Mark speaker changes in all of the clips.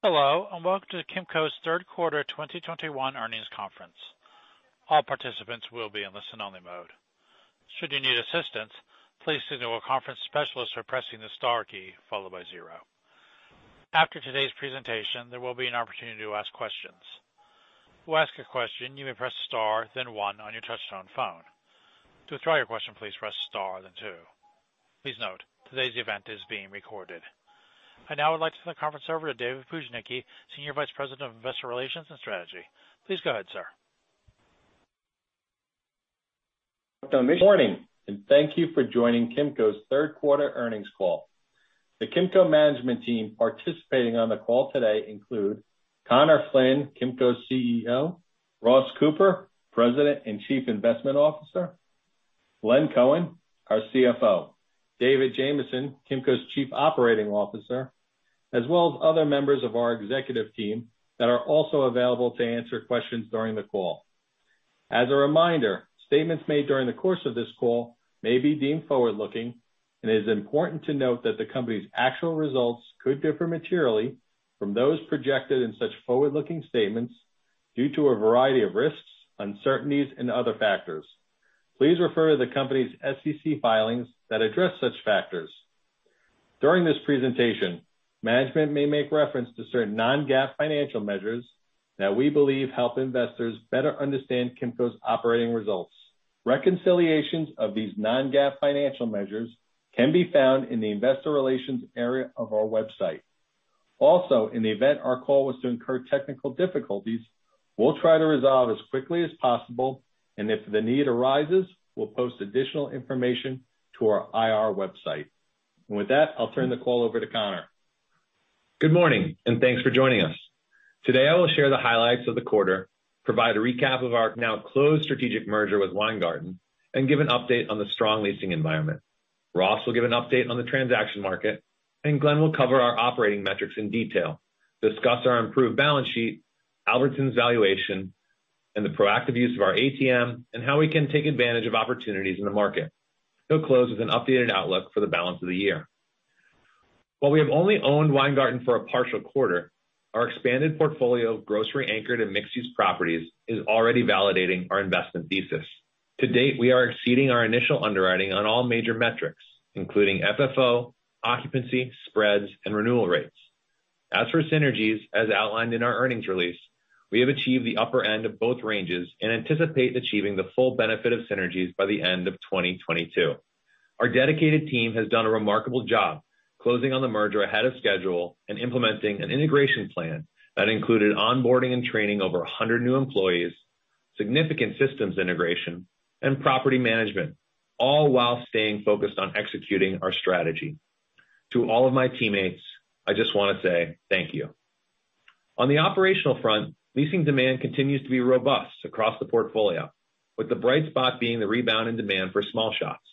Speaker 1: Hello, and welcome to Kimco's third quarter 2021 earnings conference. All participants will be in listen-only mode. Should you need assistance, please signal a conference specialist by pressing the star key followed by zero. After today's presentation, there will be an opportunity to ask questions. To ask a question, you may press star, then one on your touchtone phone. To withdraw your question, please press star, then two. Please note, today's event is being recorded. I now would like to turn the conference over to David Bujnicki, Senior Vice President of Investor Relations and Strategy. Please go ahead, sir.
Speaker 2: Good morning, and thank you for joining Kimco's third quarter earnings call. The Kimco management team participating on the call today include Conor Flynn, Kimco's CEO, Ross Cooper, President and Chief Investment Officer, Glenn Cohen, our CFO, David Jamieson, Kimco's Chief Operating Officer, as well as other members of our executive team that are also available to answer questions during the call. As a reminder, statements made during the course of this call may be deemed forward-looking, and it is important to note that the company's actual results could differ materially from those projected in such forward-looking statements due to a variety of risks, uncertainties, and other factors. Please refer to the company's SEC filings that address such factors. During this presentation, management may make reference to certain non-GAAP financial measures that we believe help investors better understand Kimco's operating results. Reconciliations of these non-GAAP financial measures can be found in the investor relations area of our website. Also, in the event our call was to incur technical difficulties, we'll try to resolve as quickly as possible, and if the need arises, we'll post additional information to our IR website. With that, I'll turn the call over to Conor.
Speaker 3: Good morning, and thanks for joining us. Today, I will share the highlights of the quarter, provide a recap of our now closed strategic merger with Weingarten, and give an update on the strong leasing environment. Ross will give an update on the transaction market, and Glenn will cover our operating metrics in detail, discuss our improved balance sheet, Albertsons valuation, and the proactive use of our ATM, and how we can take advantage of opportunities in the market. He'll close with an updated outlook for the balance of the year. While we have only owned Weingarten for a partial quarter, our expanded portfolio of grocery-anchored and mixed-use properties is already validating our investment thesis. To date, we are exceeding our initial underwriting on all major metrics, including FFO, occupancy, spreads, and renewal rates. As for synergies, as outlined in our earnings release, we have achieved the upper end of both ranges and anticipate achieving the full benefit of synergies by the end of 2022. Our dedicated team has done a remarkable job closing on the merger ahead of schedule and implementing an integration plan that included onboarding and training over 100 new employees, significant systems integration, and property management, all while staying focused on executing our strategy. To all of my teammates, I just wanna say thank you. On the operational front, leasing demand continues to be robust across the portfolio, with the bright spot being the rebound in demand for small shops.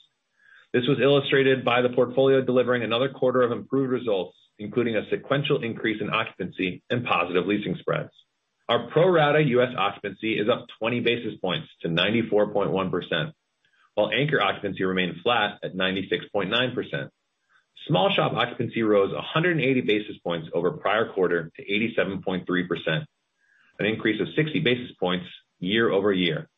Speaker 3: This was illustrated by the portfolio delivering another quarter of improved results, including a sequential increase in occupancy and positive leasing spreads. Our pro rata U.S. occupancy is up 20 basis points to 94.1%, while anchor occupancy remained flat at 96.9%. Small shop occupancy rose 180 basis points over prior quarter to 87.3%, an increase of 60 basis points year-over-year.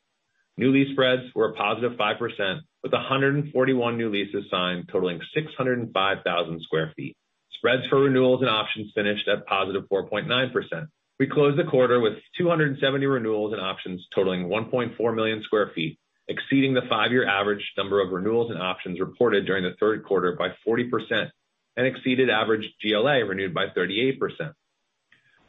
Speaker 3: New lease spreads were a +5%, with 141 new leases signed, totaling 605,000 sq ft. Spreads for renewals and options finished at +4.9%. We closed the quarter with 270 renewals and options totaling 1.4 million sq ft, exceeding the five-year average number of renewals and options reported during the third quarter by 40% and exceeded average GLA renewed by 38%.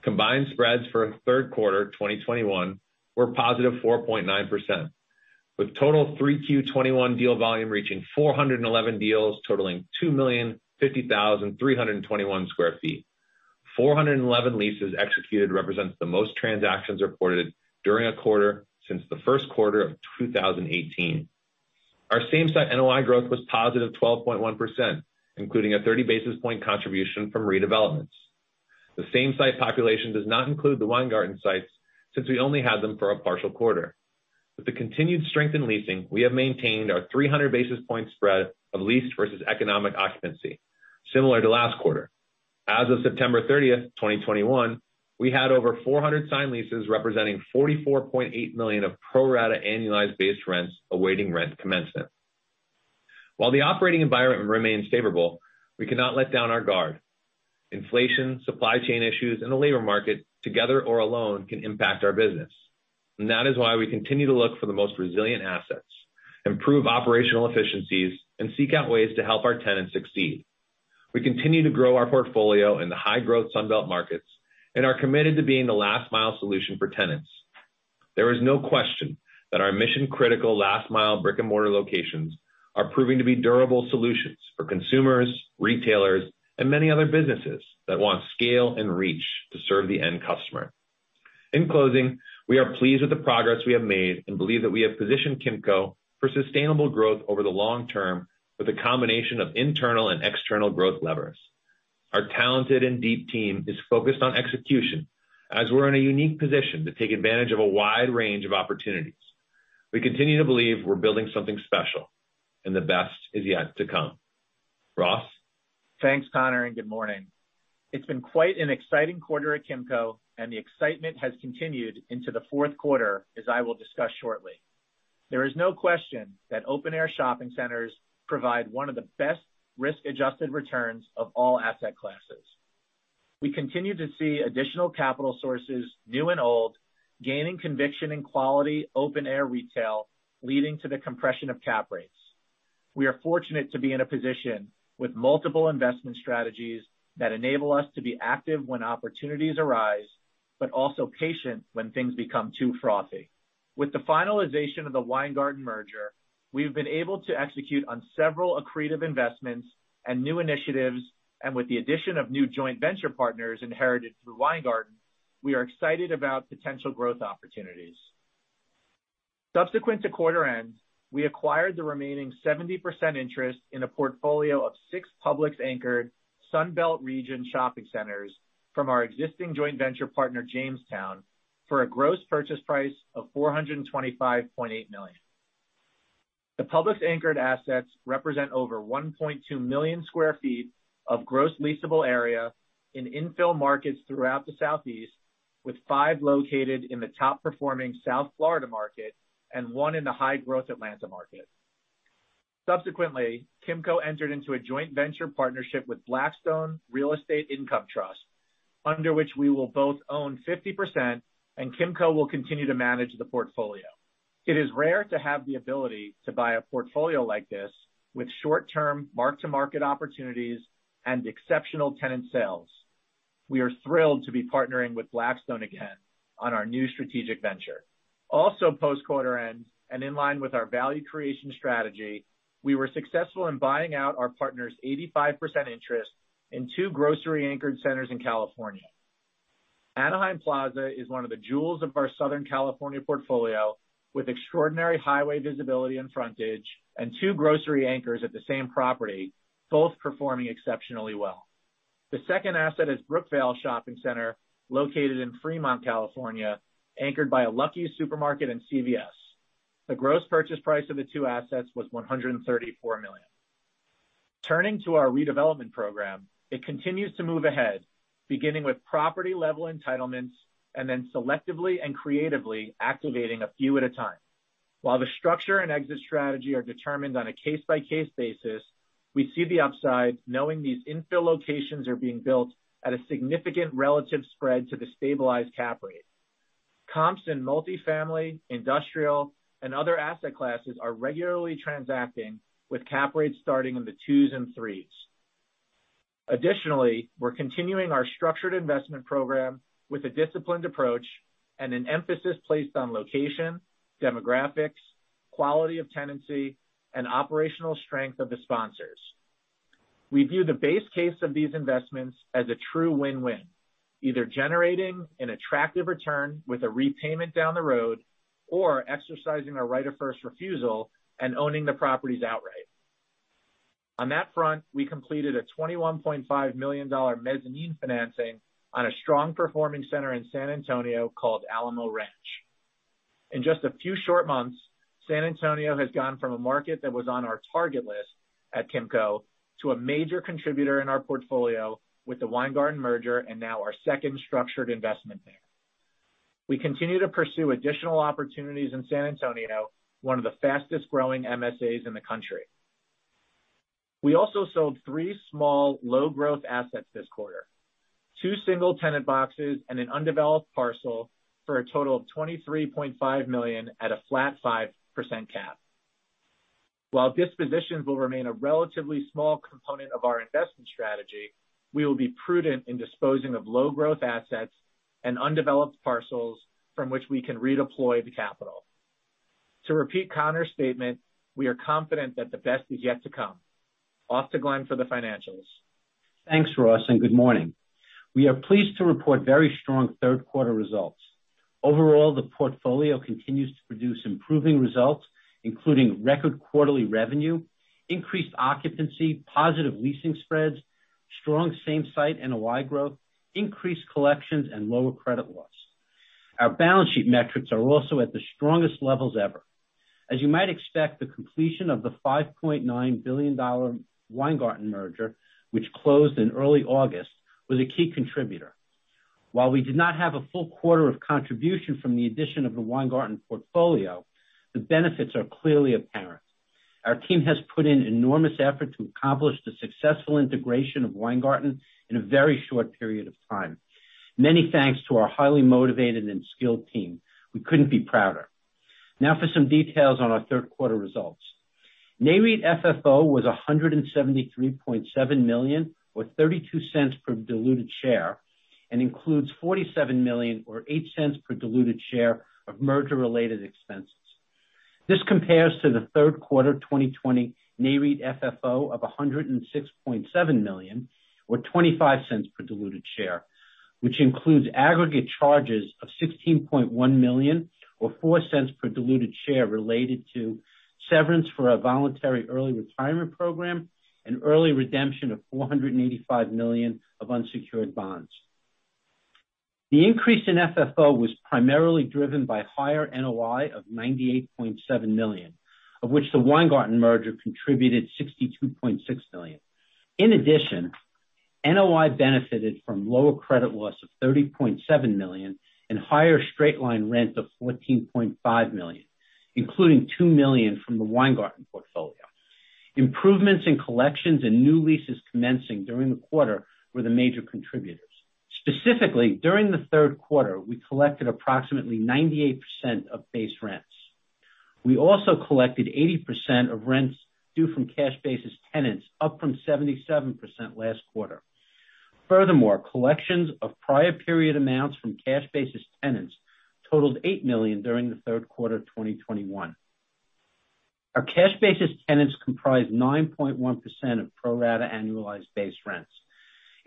Speaker 3: Combined spreads for Q3 2021 were +4.9%, with total 3Q 2021 deal volume reaching 411 deals totaling 2,050,321 sq ft. 411 leases executed represents the most transactions reported during a quarter since the first quarter of 2018. Our same-site NOI growth was +12.1%, including a 30 basis point contribution from redevelopments. The same site population does not include the Weingarten sites, since we only had them for a partial quarter. With the continued strength in leasing, we have maintained our 300 basis point spread of leased versus economic occupancy, similar to last quarter. As of September 30th, 2021, we had over 400 signed leases representing $44.8 million of pro rata annualized base rents awaiting rent commencement. While the operating environment remains favorable, we cannot let down our guard. Inflation, supply chain issues, and the labor market, together or alone, can impact our business. That is why we continue to look for the most resilient assets, improve operational efficiencies, and seek out ways to help our tenants succeed. We continue to grow our portfolio in the high-growth Sun Belt markets and are committed to being the last mile solution for tenants. There is no question that our mission-critical last mile brick-and-mortar locations are proving to be durable solutions for consumers, retailers, and many other businesses that want scale and reach to serve the end customer. In closing, we are pleased with the progress we have made and believe that we have positioned Kimco for sustainable growth over the long term with a combination of internal and external growth levers. Our talented and deep team is focused on execution as we're in a unique position to take advantage of a wide range of opportunities. We continue to believe we're building something special, and the best is yet to come. Ross?
Speaker 4: Thanks, Conor, and good morning. It's been quite an exciting quarter at Kimco, and the excitement has continued into the fourth quarter, as I will discuss shortly. There is no question that open-air shopping centers provide one of the best risk-adjusted returns of all asset classes. We continue to see additional capital sources, new and old, gaining conviction in quality open-air retail, leading to the compression of cap rates. We are fortunate to be in a position with multiple investment strategies that enable us to be active when opportunities arise, but also patient when things become too frothy. With the finalization of the Weingarten merger, we've been able to execute on several accretive investments and new initiatives, and with the addition of new joint venture partners inherited through Weingarten, we are excited about potential growth opportunities. Subsequent to quarter end, we acquired the remaining 70% interest in a portfolio of six Publix-anchored Sunbelt region shopping centers from our existing joint venture partner, Jamestown, for a gross purchase price of $425.8 million. The Publix-anchored assets represent over 1.2 million sq ft of gross leasable area in infill markets throughout the Southeast, with five located in the top-performing South Florida market and one in the high-growth Atlanta market. Subsequently, Kimco entered into a joint venture partnership with Blackstone Real Estate Income Trust, under which we will both own 50% and Kimco will continue to manage the portfolio. It is rare to have the ability to buy a portfolio like this with short-term mark-to-market opportunities and exceptional tenant sales. We are thrilled to be partnering with Blackstone again on our new strategic venture. Also post-quarter end and in line with our value creation strategy, we were successful in buying out our partner's 85% interest in two grocery-anchored centers in California. Anaheim Plaza is one of the jewels of our Southern California portfolio, with extraordinary highway visibility and frontage and two grocery anchors at the same property, both performing exceptionally well. The second asset is Brookvale Shopping Center, located in Fremont, California, anchored by a Lucky supermarket and CVS. The gross purchase price of the two assets was $134 million. Turning to our redevelopment program, it continues to move ahead, beginning with property-level entitlements and then selectively and creatively activating a few at a time. While the structure and exit strategy are determined on a case-by-case basis, we see the upside knowing these infill locations are being built at a significant relative spread to the stabilized cap rate. Comps in multifamily, industrial, and other asset classes are regularly transacting with cap rates starting in the 2%s and 3%s. Additionally, we're continuing our structured investment program with a disciplined approach and an emphasis placed on location, demographics, quality of tenancy, and operational strength of the sponsors. We view the base case of these investments as a true win-win, either generating an attractive return with a repayment down the road or exercising our right of first refusal and owning the properties outright. On that front, we completed a $21.5 million mezzanine financing on a strong-performing center in San Antonio called Alamo Ranch. In just a few short months, San Antonio has gone from a market that was on our target list at Kimco to a major contributor in our portfolio with the Weingarten merger and now our second structured investment there. We continue to pursue additional opportunities in San Antonio, one of the fastest-growing MSAs in the country. We also sold three small low-growth assets this quarter, two single-tenant boxes and an undeveloped parcel for a total of $23.5 million at a flat 5% cap. While dispositions will remain a relatively small component of our investment strategy, we will be prudent in disposing of low-growth assets and undeveloped parcels from which we can redeploy the capital. To repeat Conor's statement, we are confident that the best is yet to come. Off to Glenn for the financials.
Speaker 5: Thanks, Ross, and good morning. We are pleased to report very strong third quarter results. Overall, the portfolio continues to produce improving results, including record quarterly revenue, increased occupancy, positive leasing spreads, strong same-store NOI growth, increased collections, and lower credit loss. Our balance sheet metrics are also at the strongest levels ever. As you might expect, the completion of the $5.9 billion Weingarten merger, which closed in early August, was a key contributor. While we did not have a full quarter of contribution from the addition of the Weingarten portfolio, the benefits are clearly apparent. Our team has put in enormous effort to accomplish the successful integration of Weingarten in a very short period of time. Many thanks to our highly motivated and skilled team. We couldn't be prouder. Now for some details on our third quarter results. NAREIT FFO was $173.7 million or $0.32 per diluted share, and includes $47 million or $0.08 per diluted share of merger-related expenses. This compares to the third quarter 2020 NAREIT FFO of $106.7 million or $0.25 per diluted share, which includes aggregate charges of $16.1 million or $0.04 per diluted share related to severance for our voluntary early retirement program and early redemption of $485 million of unsecured bonds. The increase in FFO was primarily driven by higher NOI of $98.7 million, of which the Weingarten merger contributed $62.6 million. In addition, NOI benefited from lower credit loss of $30.7 million and higher straight-line rent of $14.5 million, including $2 million from the Weingarten portfolio. Improvements in collections and new leases commencing during the quarter were the major contributors. Specifically, during the third quarter, we collected approximately 98% of base rents. We also collected 80% of rents due from cash basis tenants, up from 77% last quarter. Furthermore, collections of prior period amounts from cash basis tenants totaled $8 million during the third quarter of 2021. Our cash basis tenants comprise 9.1% of pro rata annualized base rents.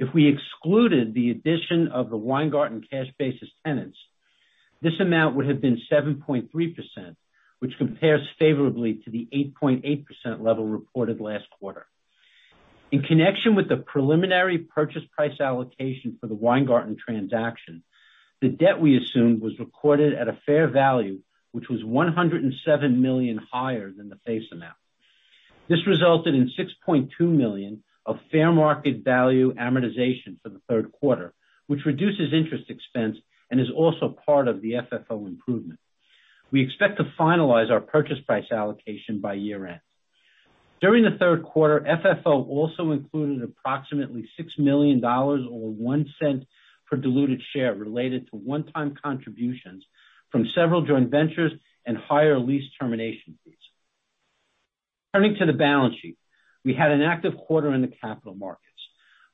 Speaker 5: If we excluded the addition of the Weingarten cash basis tenants, this amount would have been 7.3%, which compares favorably to the 8.8% level reported last quarter. In connection with the preliminary purchase price allocation for the Weingarten transaction, the debt we assumed was recorded at a fair value, which was $107 million higher than the face amount. This resulted in $6.2 million of fair market value amortization for the third quarter, which reduces interest expense and is also part of the FFO improvement. We expect to finalize our purchase price allocation by year-end. During the third quarter, FFO also included approximately $6 million or $0.01 per diluted share related to one-time contributions from several joint ventures and higher lease termination fees. Turning to the balance sheet. We had an active quarter in the capital markets.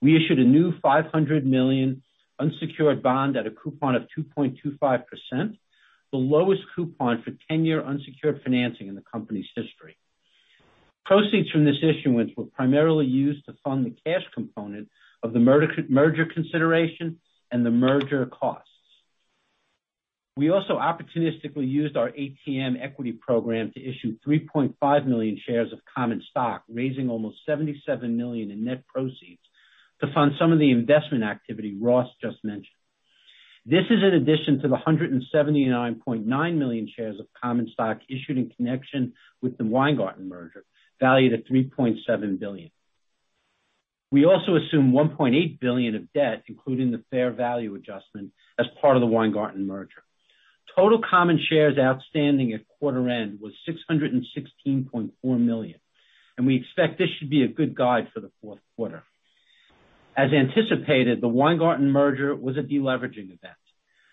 Speaker 5: We issued a new $500 million unsecured bond at a coupon of 2.25%, the lowest coupon for 10-year unsecured financing in the company's history. Proceeds from this issuance were primarily used to fund the cash component of the merger consideration and the merger costs. We also opportunistically used our ATM equity program to issue 3.5 million shares of common stock, raising almost $77 million in net proceeds to fund some of the investment activity Ross just mentioned. This is in addition to the 179.9 million shares of common stock issued in connection with the Weingarten merger, valued at $3.7 billion. We also assume $1.8 billion of debt, including the fair value adjustment as part of the Weingarten merger. Total common shares outstanding at quarter end was 616.4 million, and we expect this should be a good guide for the fourth quarter. As anticipated, the Weingarten merger was a de-leveraging event.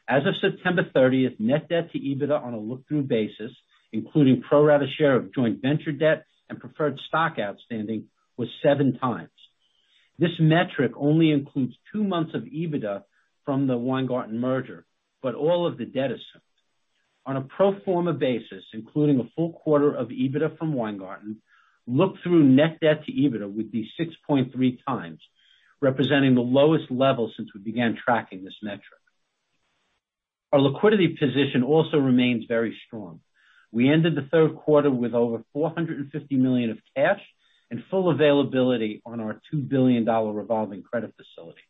Speaker 5: As of September 30th, net debt to EBITDA on a look-through basis, including pro rata share of joint venture debt and preferred stock outstanding, was 7x. This metric only includes two months of EBITDA from the Weingarten merger, but all of the debt is served. On a pro forma basis, including a full quarter of EBITDA from Weingarten, look-through net debt to EBITDA would be 6.3x, representing the lowest level since we began tracking this metric. Our liquidity position also remains very strong. We ended the third quarter with over $450 million of cash and full availability on our $2 billion revolving credit facility.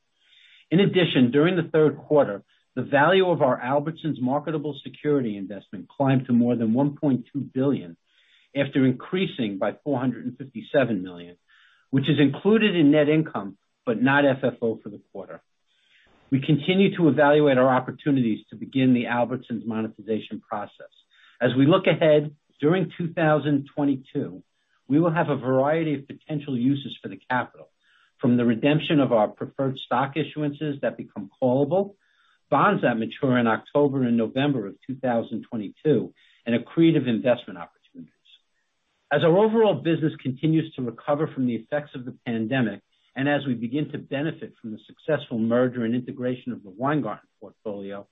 Speaker 5: In addition, during the third quarter, the value of our Albertsons marketable security investment climbed to more than $1.2 billion after increasing by $457 million, which is included in net income, but not FFO for the quarter. We continue to evaluate our opportunities to begin the Albertsons monetization process. As we look ahead, during 2022, we will have a variety of potential uses for the capital, from the redemption of our preferred stock issuances that become callable, bonds that mature in October and November of 2022, and accretive investment opportunities. As our overall business continues to recover from the effects of the pandemic, and as we begin to benefit from the successful merger and integration of the Weingarten portfolio,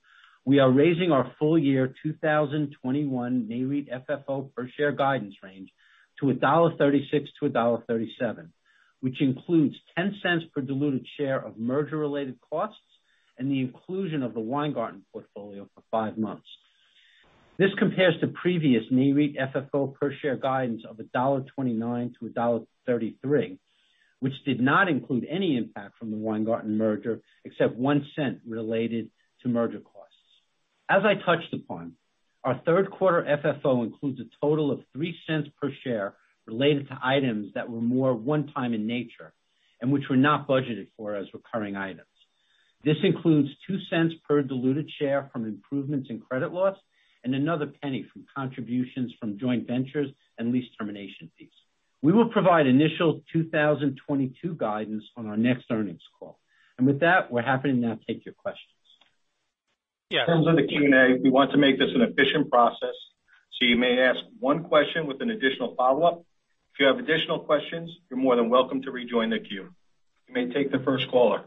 Speaker 5: we are raising our full year 2021 NAREIT FFO per share guidance range to $1.36-$1.37, which includes $0.10 per diluted share of merger-related costs and the inclusion of the Weingarten portfolio for five months. This compares to previous NAREIT FFO per share guidance of $1.29-$1.33, which did not include any impact from the Weingarten merger except $0.01 related to merger costs. As I touched upon, our third quarter FFO includes a total of $0.03 per share related to items that were more one time in nature and which were not budgeted for as recurring items. This includes $0.02 per diluted share from improvements in credit loss and another $0.01 from contributions from joint ventures and lease termination fees. We will provide initial 2022 guidance on our next earnings call. With that, we're happy to now take your questions.
Speaker 2: Yeah, in terms of the Q&A, we want to make this an efficient process, so you may ask one question with an additional follow-up. If you have additional questions, you're more than welcome to rejoin the queue. You may take the first caller.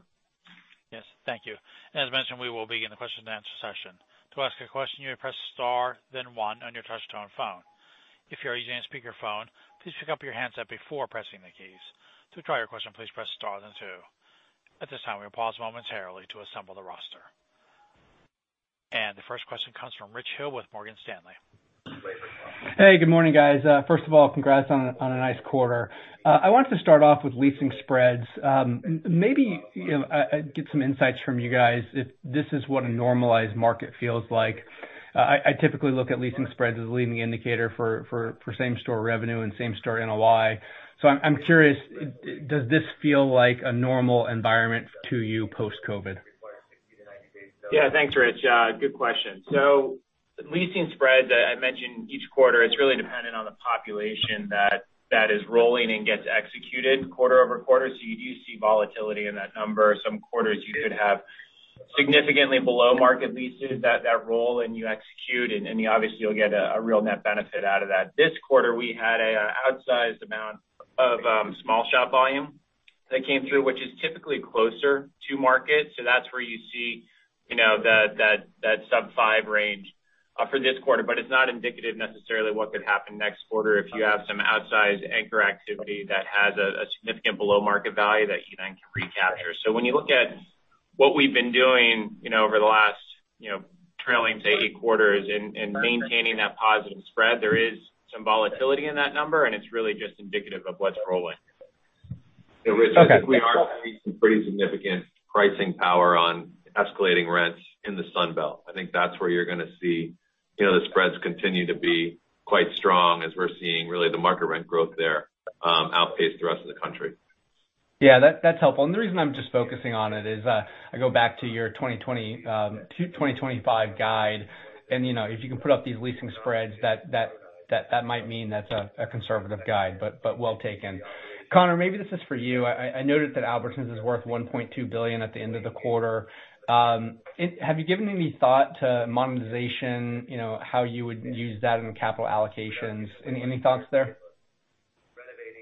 Speaker 1: Yes, thank you. As mentioned, we will begin the question and answer session. To ask a question, you may press star then one on your touch-tone phone. If you're using a speakerphone, please pick up your handset before pressing the keys. To withdraw your question, please press star then two. At this time, we will pause momentarily to assemble the roster. The first question comes from Rich Hill with Morgan Stanley.
Speaker 6: Hey, good morning, guys. First of all, congrats on a nice quarter. I wanted to start off with leasing spreads. Maybe, you know, get some insights from you guys if this is what a normalized market feels like. I typically look at leasing spreads as a leading indicator for same-store revenue and same-store NOI. I'm curious, does this feel like a normal environment to you post-COVID?
Speaker 7: Yeah. Thanks, Rich. Good question. Leasing spreads, I mention each quarter, it's really dependent on the population that is rolling and gets executed quarter-over-quarter. You do see volatility in that number. Some quarters you could have significantly below market leases that roll and you execute and obviously you'll get a real net benefit out of that. This quarter we had an outsized amount of small shop volume that came through, which is typically closer to market. That's where you see, you know, that sub five range for this quarter. It's not indicative necessarily what could happen next quarter if you have some outsized anchor activity that has a significant below market value that you then can recapture. When you look at what we've been doing, you know, over the last, you know, trailing, say, eight quarters and maintaining that positive spread, there is some volatility in that number, and it's really just indicative of what's rolling.
Speaker 6: Okay.
Speaker 3: Rich, I think we are seeing some pretty significant pricing power on escalating rents in the Sun Belt. I think that's where you're gonna see, you know, the spreads continue to be quite strong as we're seeing really the market rent growth there outpace the rest of the country.
Speaker 6: Yeah, that's helpful. The reason I'm just focusing on it is, I go back to your 2025 guide, and you know, if you can put up these leasing spreads, that might mean that's a conservative guide, but well taken. Conor, maybe this is for you. I noted that Albertsons is worth $1.2 billion at the end of the quarter. Have you given any thought to monetization, you know, how you would use that in capital allocations? Any thoughts there?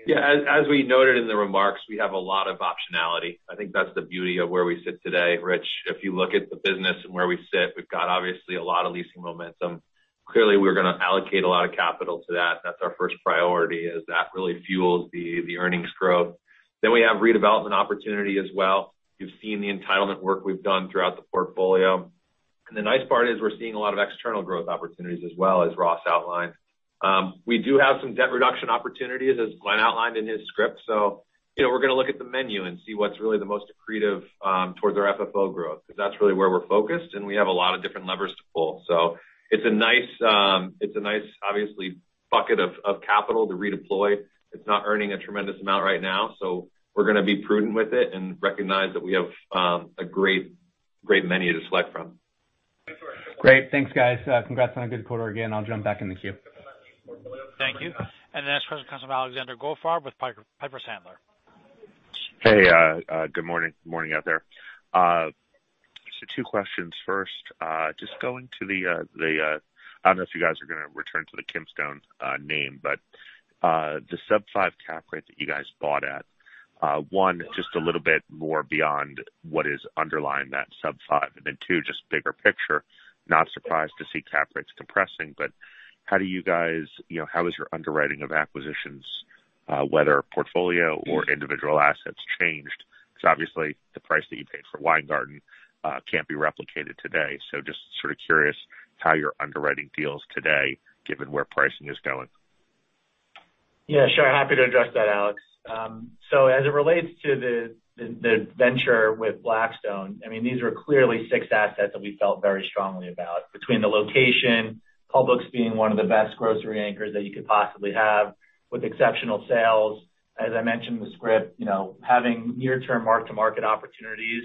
Speaker 3: Yeah, as we noted in the remarks, we have a lot of optionality. I think that's the beauty of where we sit today, Rich. If you look at the business and where we sit, we've got obviously a lot of leasing momentum. Clearly, we're gonna allocate a lot of capital to that. That's our first priority, as that really fuels the earnings growth. We have redevelopment opportunity as well. You've seen the entitlement work we've done throughout the portfolio. The nice part is we're seeing a lot of external growth opportunities as well, as Ross outlined. We do have some debt reduction opportunities, as Glenn outlined in his script. You know, we're gonna look at the menu and see what's really the most accretive towards our FFO growth, because that's really where we're focused, and we have a lot of different levers to pull. It's a nice, obviously, bucket of capital to redeploy. It's not earning a tremendous amount right now, so we're gonna be prudent with it and recognize that we have a great menu to select from.
Speaker 6: Great. Thanks, guys. Congrats on a good quarter again. I'll jump back in the queue.
Speaker 1: Thank you. The next question comes from Alexander Goldfarb with Piper Sandler.
Speaker 8: Hey, good morning. Good morning out there. So two questions. First, just going to the, I don't know if you guys are gonna return to the Kimstone name, but the sub-5% cap rate that you guys bought at, one, just a little bit more beyond what is underlying that sub-5%. Two, just bigger picture, not surprised to see cap rates compressing, but how do you guys, you know, how is your underwriting of acquisitions, whether portfolio or individual assets changed? Because obviously the price that you paid for Weingarten can't be replicated today. Just sort of curious how your underwriting deals today, given where pricing is going.
Speaker 4: Yeah, sure. Happy to address that, Alex. As it relates to the venture with Blackstone, I mean, these are clearly six assets that we felt very strongly about between the location, Publix being one of the best grocery anchors that you could possibly have with exceptional sales. As I mentioned in the script, you know, having near-term mark-to-market opportunities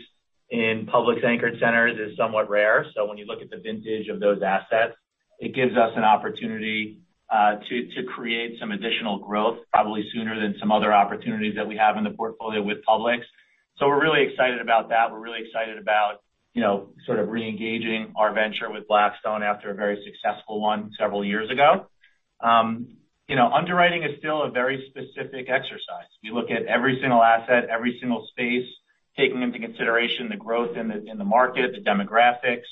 Speaker 4: in Publix-anchored centers is somewhat rare. When you look at the vintage of those assets, it gives us an opportunity to create some additional growth probably sooner than some other opportunities that we have in the portfolio with Publix. We're really excited about that. We're really excited about, you know, sort of re-engaging our venture with Blackstone after a very successful one several years ago. Underwriting is still a very specific exercise. We look at every single asset, every single space, taking into consideration the growth in the market, the demographics,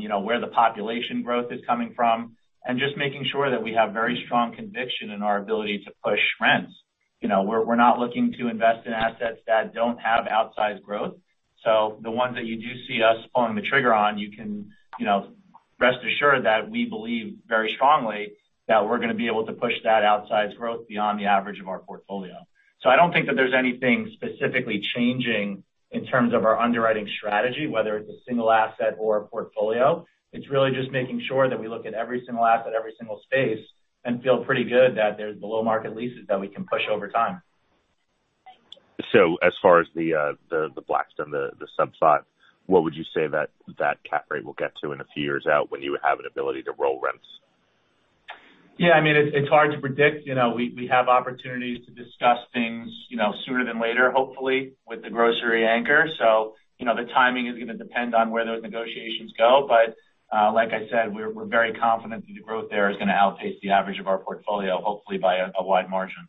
Speaker 4: you know, where the population growth is coming from, and just making sure that we have very strong conviction in our ability to push rents. You know, we're not looking to invest in assets that don't have outsized growth. The ones that you do see us pulling the trigger on, you can, you know, rest assured that we believe very strongly that we're gonna be able to push that outsized growth beyond the average of our portfolio. I don't think that there's anything specifically changing in terms of our underwriting strategy, whether it's a single asset or a portfolio. It's really just making sure that we look at every single asset, every single space, and feel pretty good that there's below market leases that we can push over time.
Speaker 8: As far as the Blackstone, the sub-5%, what would you say that cap rate will get to in a few years out when you have an ability to roll rents?
Speaker 4: Yeah, I mean, it's hard to predict. You know, we have opportunities to discuss things, you know, sooner than later, hopefully, with the grocery anchor. You know, the timing is gonna depend on where those negotiations go. Like I said, we're very confident that the growth there is gonna outpace the average of our portfolio, hopefully by a wide margin.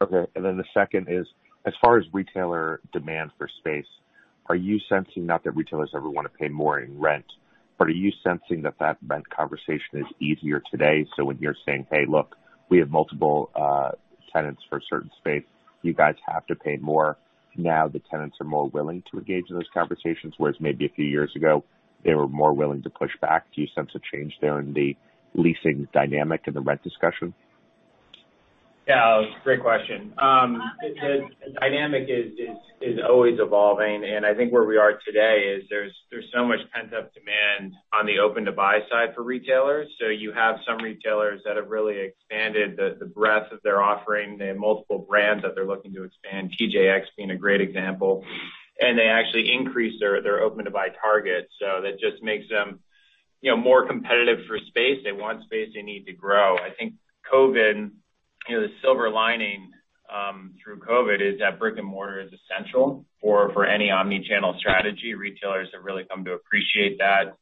Speaker 8: Okay. Then the second is, as far as retailer demand for space, are you sensing, not that retailers ever wanna pay more in rent, but are you sensing that that rent conversation is easier today? When you're saying, "Hey, look, we have multiple tenants for a certain space, you guys have to pay more," now the tenants are more willing to engage in those conversations, whereas maybe a few years ago, they were more willing to push back. Do you sense a change there in the leasing dynamic in the rent discussion?
Speaker 7: Yeah. Great question. The dynamic is always evolving. I think where we are today is there's so much pent-up demand on the open-to-buy side for retailers. You have some retailers that have really expanded the breadth of their offering. They have multiple brands that they're looking to expand, TJX being a great example. They actually increase their open-to-buy target. That just makes them, you know, more competitive for space. They want space, they need to grow. I think COVID, you know, the silver lining through COVID is that brick-and-mortar is essential for any omni-channel strategy. Retailers have really come to appreciate that.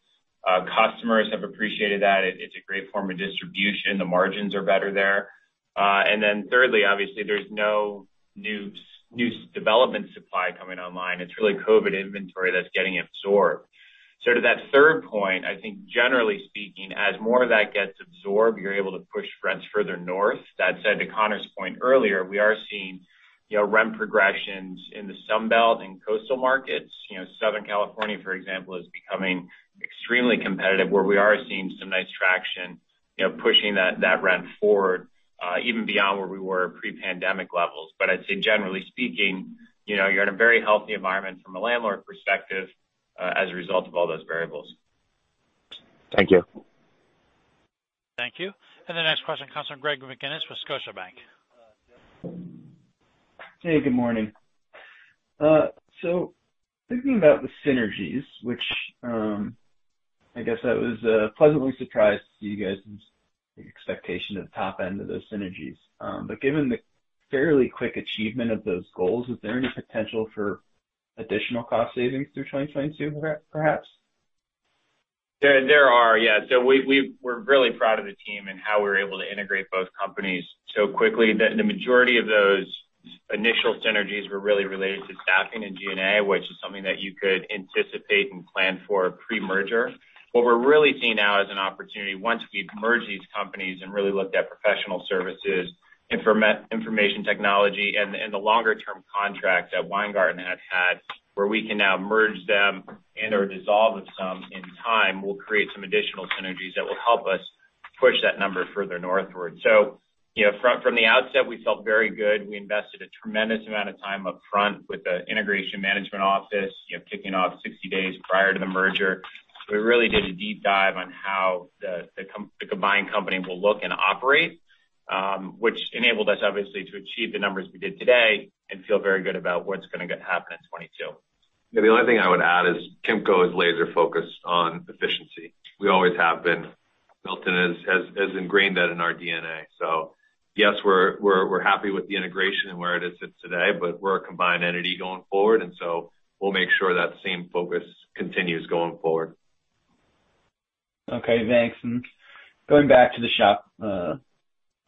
Speaker 7: Customers have appreciated that, it's a great form of distribution. The margins are better there. Then thirdly, obviously there's no new development supply coming online. It's really COVID inventory that's getting absorbed. To that third point, I think generally speaking, as more of that gets absorbed, you're able to push rents further north. That said, to Connor's point earlier, we are seeing, you know, rent progressions in the Sun Belt and coastal markets. You know, Southern California, for example, is becoming extremely competitive, where we are seeing some nice traction, you know, pushing that rent forward, even beyond where we were pre-pandemic levels. I'd say generally speaking, you know, you're in a very healthy environment from a landlord perspective, as a result of all those variables.
Speaker 8: Thank you.
Speaker 1: Thank you. The next question comes from Greg McGinniss with Scotiabank.
Speaker 9: Hey, good morning. So thinking about the synergies, which, I guess I was pleasantly surprised to see you guys' expectation of the top end of those synergies. But given the fairly quick achievement of those goals, is there any potential for additional cost savings through 2022, perhaps?
Speaker 7: We're really proud of the team and how we were able to integrate both companies so quickly, that the majority of those initial synergies were really related to staffing and G&A, which is something that you could anticipate and plan for pre-merger. What we're really seeing now is an opportunity, once we've merged these companies and really looked at professional services, information technology and the longer term contracts that Weingarten has had, where we can now merge them and/or dispose of some in time, will create some additional synergies that will help us push that number further northward. You know, from the outset, we felt very good. We invested a tremendous amount of time upfront with the integration management office, you know, kicking off 60 days prior to the merger. We really did a deep dive on how the combined company will look and operate, which enabled us, obviously, to achieve the numbers we did today and feel very good about what's gonna happen in 2022.
Speaker 3: The only thing I would add is Kimco is laser focused on efficiency. We always have been. Milton has ingrained that in our DNA. Yes, we're happy with the integration and where it sits today, but we're a combined entity going forward, and so we'll make sure that same focus continues going forward.
Speaker 9: Okay, thanks. Going back to the shop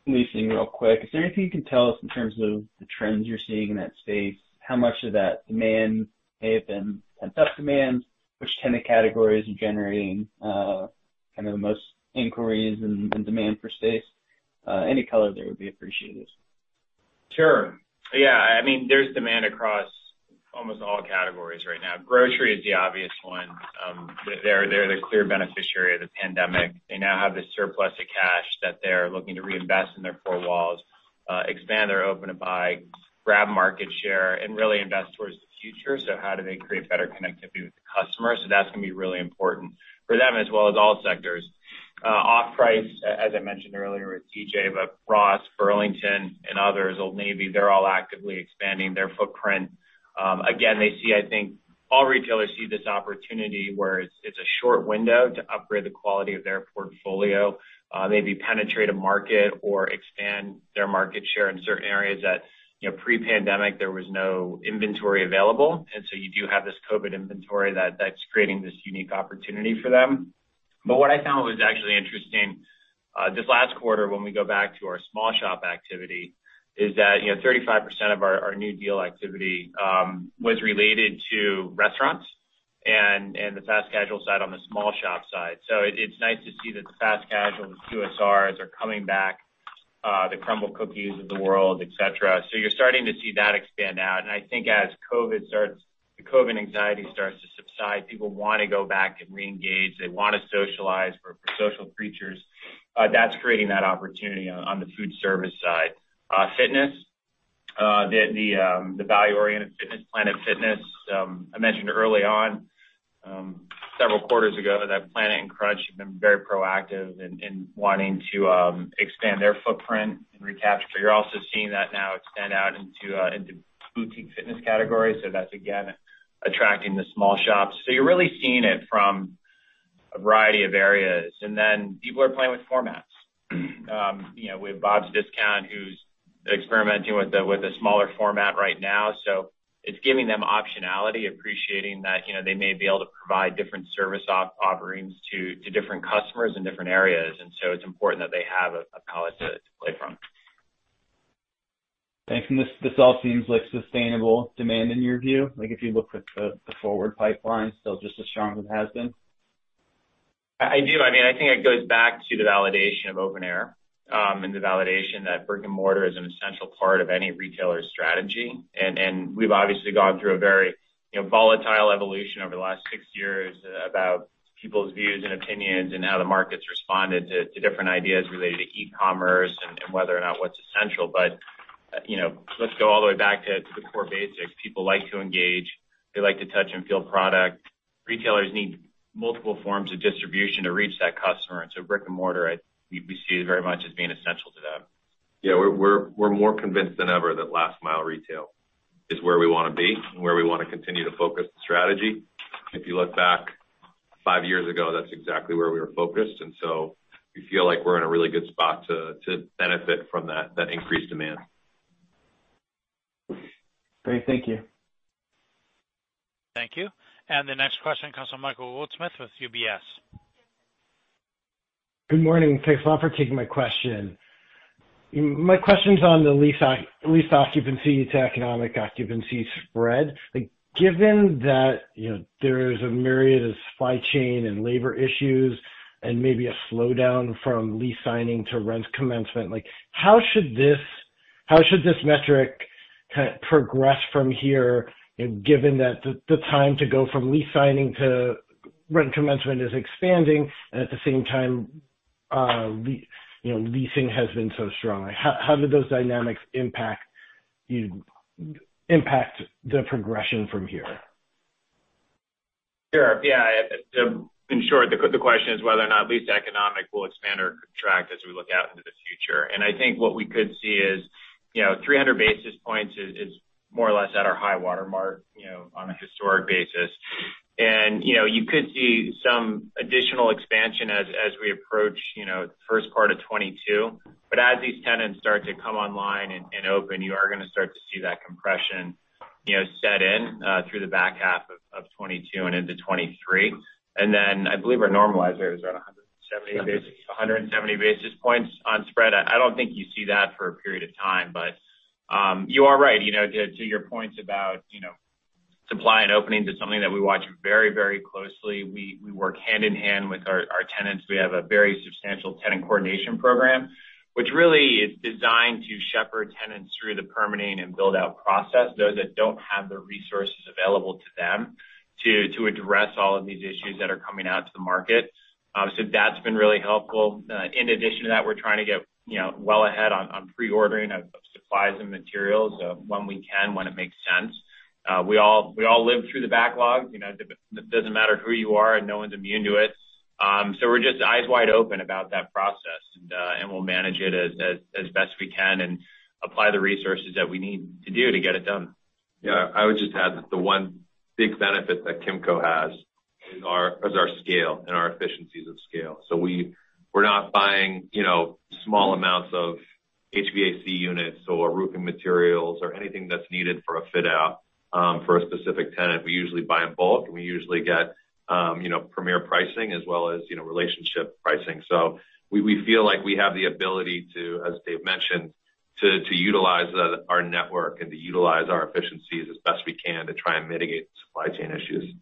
Speaker 9: leasing real quick, is there anything you can tell us in terms of the trends you're seeing in that space? How much of that demand may have been pent-up demand? Which tenant categories are generating kind of the most inquiries and demand for space? Any color there would be appreciated.
Speaker 7: Sure. Yeah. I mean, there's demand across almost all categories right now. Grocery is the obvious one. They're the clear beneficiary of the pandemic. They now have the surplus of cash that they're looking to reinvest in their four walls, expand their open-to-buy, grab market share, and really invest towards the future. How do they create better connectivity with the customers? That's gonna be really important for them as well as all sectors. Off-price, as I mentioned earlier with TJ, but Ross, Burlington, and others, Old Navy, they're all actively expanding their footprint. Again, they see, I think all retailers see this opportunity where it's a short window to upgrade the quality of their portfolio, maybe penetrate a market or expand their market share in certain areas that, you know, pre-pandemic there was no inventory available. You do have this COVID inventory that that's creating this unique opportunity for them. What I found was actually interesting this last quarter when we go back to our small shop activity is that you know 35% of our new deal activity was related to restaurants and the fast casual side on the small shop side. It's nice to see that the fast casual QSRs are coming back the Crumbl Cookies of the world etc. You're starting to see that expand out. I think as COVID anxiety starts to subside people wanna go back and reengage. They wanna socialize. We're social creatures. That's creating that opportunity on the food service side. Fitness, the value-oriented fitness, Planet Fitness. I mentioned early on several quarters ago that Planet Fitness and Crunch Fitness have been very proactive in wanting to expand their footprint and recapture. You're also seeing that now extend out into boutique fitness categories. That's again attracting the small shops. You're really seeing it from a variety of areas. Then people are playing with formats. You know, with Bob's Discount Furniture, who's experimenting with a smaller format right now. It's giving them optionality, appreciating that, you know, they may be able to provide different service offerings to different customers in different areas. It's important that they have a palette to play from.
Speaker 9: Thanks. This all seems like sustainable demand in your view. Like if you look at the forward pipeline, still just as strong as it has been.
Speaker 7: I do. I mean, I think it goes back to the validation of open air, and the validation that brick-and-mortar is an essential part of any retailer's strategy. We've obviously gone through a very, you know, volatile evolution over the last six years about people's views and opinions and how the market's responded to different ideas related to e-commerce and whether or not what's essential. You know, let's go all the way back to the core basics. People like to engage. They like to touch and feel product. Retailers need multiple forms of distribution to reach that customer, and so brick-and-mortar, we see it very much as being essential to them.
Speaker 3: Yeah, we're more convinced than ever that last mile retail is where we wanna be and where we wanna continue to focus the strategy. If you look back five years ago, that's exactly where we were focused. We feel like we're in a really good spot to benefit from that increased demand.
Speaker 9: Great. Thank you.
Speaker 1: Thank you. The next question comes from Michael Goldsmith with UBS.
Speaker 10: Good morning. Thanks a lot for taking my question. My question's on the lease occupancy to economic occupancy spread. Like, given that, you know, there's a myriad of supply chain and labor issues and maybe a slowdown from lease signing to rent commencement, like how should this metric progress from here, you know, given that the time to go from lease signing to rent commencement is expanding, and at the same time, you know, leasing has been so strong? How do those dynamics impact the progression from here?
Speaker 7: Sure. Yeah. In short, the question is whether or not lease economics will expand or contract as we look out into the future. I think what we could see is, you know, 300 basis points is more or less at our high water mark, you know, on a historic basis. You could see some additional expansion as we approach, you know, first part of 2022. As these tenants start to come online and open, you are gonna start to see that compression, you know, set in through the back half of 2022 and into 2023. I believe our normalizer is around 170 basis-
Speaker 3: ...170.
Speaker 7: 170 basis points on spread. I don't think you see that for a period of time. You are right. You know, to your points about, you know, supply and opening to something that we watch very, very closely. We work hand in hand with our tenants. We have a very substantial tenant coordination program, which really is designed to shepherd tenants through the permitting and build-out process, those that don't have the resources available to them to address all of these issues that are coming out to the market. That's been really helpful. In addition to that, we're trying to get, you know, well ahead on pre-ordering of supplies and materials, when we can, when it makes sense. We all live through the backlog. You know, it doesn't matter who you are, and no one's immune to it. We're just eyes wide open about that process and we'll manage it as best we can and apply the resources that we need to do to get it done.
Speaker 3: Yeah. I would just add that the one big benefit that Kimco has is our scale and our efficiencies of scale. We're not buying, you know, small amounts of HVAC units or roofing materials or anything that's needed for a fit out for a specific tenant. We usually buy in bulk, and we usually get, you know, premier pricing as well as, you know, relationship pricing. We feel like we have the ability to, as Dave mentioned, to utilize our network and to utilize our efficiencies as best we can to try and mitigate supply chain issues.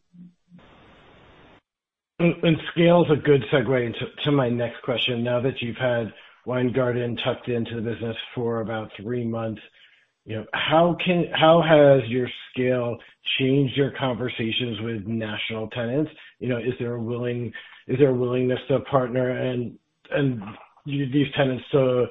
Speaker 10: Scale is a good segue into my next question. Now that you've had Weingarten tucked into the business for about three months, you know, how has your scale changed your conversations with national tenants? You know, is there a willingness to partner and these tenants to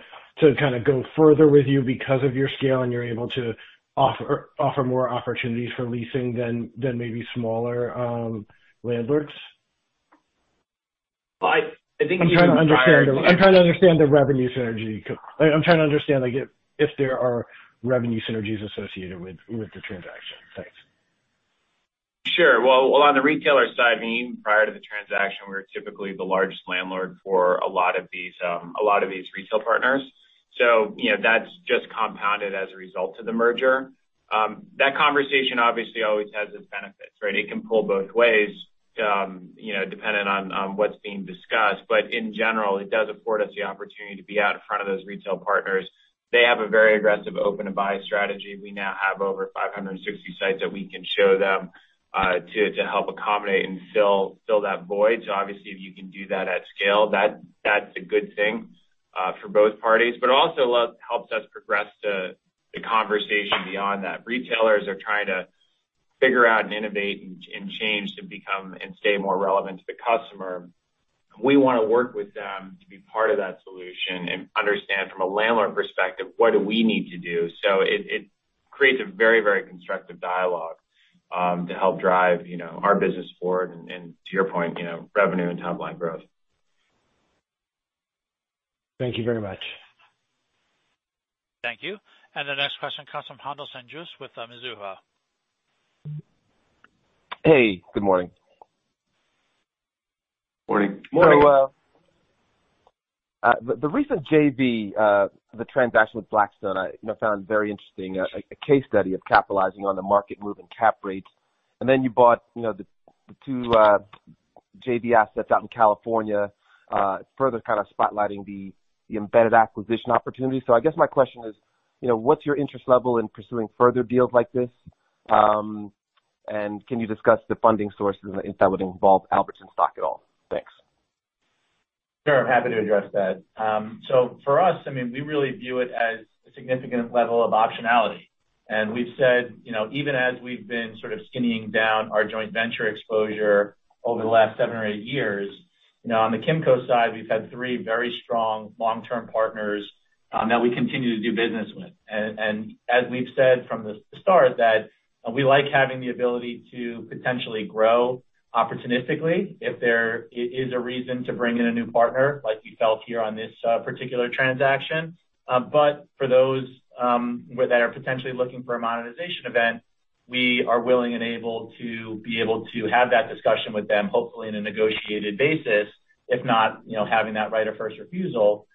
Speaker 10: kind of go further with you because of your scale and you're able to offer more opportunities for leasing than maybe smaller landlords?
Speaker 7: I think even prior.
Speaker 10: I'm trying to understand the revenue synergy. Like, I'm trying to understand, like if there are revenue synergies associated with the transaction. Thanks.
Speaker 7: Sure. Well, on the retailer side, I mean, prior to the transaction, we were typically the largest landlord for a lot of these retail partners. You know, that's just compounded as a result of the merger. That conversation obviously always has its benefits, right? It can pull both ways, you know, dependent on what's being discussed. In general, it does afford us the opportunity to be out in front of those retail partners. They have a very aggressive open and buy strategy. We now have over 560 sites that we can show them to help accommodate and fill that void. Obviously, if you can do that at scale, that's a good thing for both parties, but also helps us progress the conversation beyond that. Retailers are trying to figure out and innovate and change to become and stay more relevant to the customer. We wanna work with them to be part of that solution and understand from a landlord perspective, what do we need to do. It creates a very constructive dialogue to help drive, you know, our business forward and to your point, you know, revenue and top-line growth.
Speaker 10: Thank you very much.
Speaker 1: Thank you. The next question comes from Haendel St. Juste with Mizuho.
Speaker 11: Hey, good morning.
Speaker 3: Morning.
Speaker 7: Morning.
Speaker 11: The recent JV, the transaction with Blackstone, I, you know, found very interesting, a case study of capitalizing on the market move in cap rates. Then you bought, you know, the two JV assets out in California, further kind of spotlighting the embedded acquisition opportunity. I guess my question is, you know, what's your interest level in pursuing further deals like this? Can you discuss the funding sources if that would involve Albertsons stock at all? Thanks.
Speaker 4: Sure. I'm happy to address that. So for us, I mean, we really view it as a significant level of optionality. We've said, you know, even as we've been sort of skinnying down our joint venture exposure over the last seven or eight years, you know, on the Kimco side, we've had three very strong long-term partners, that we continue to do business with. As we've said from the start, that we like having the ability to potentially grow opportunistically if there is a reason to bring in a new partner, like we felt here on this particular transaction. For those that are potentially looking for a monetization event, we are willing and able to be able to have that discussion with them, hopefully in a negotiated basis, if not, you know, having that right of first refusal,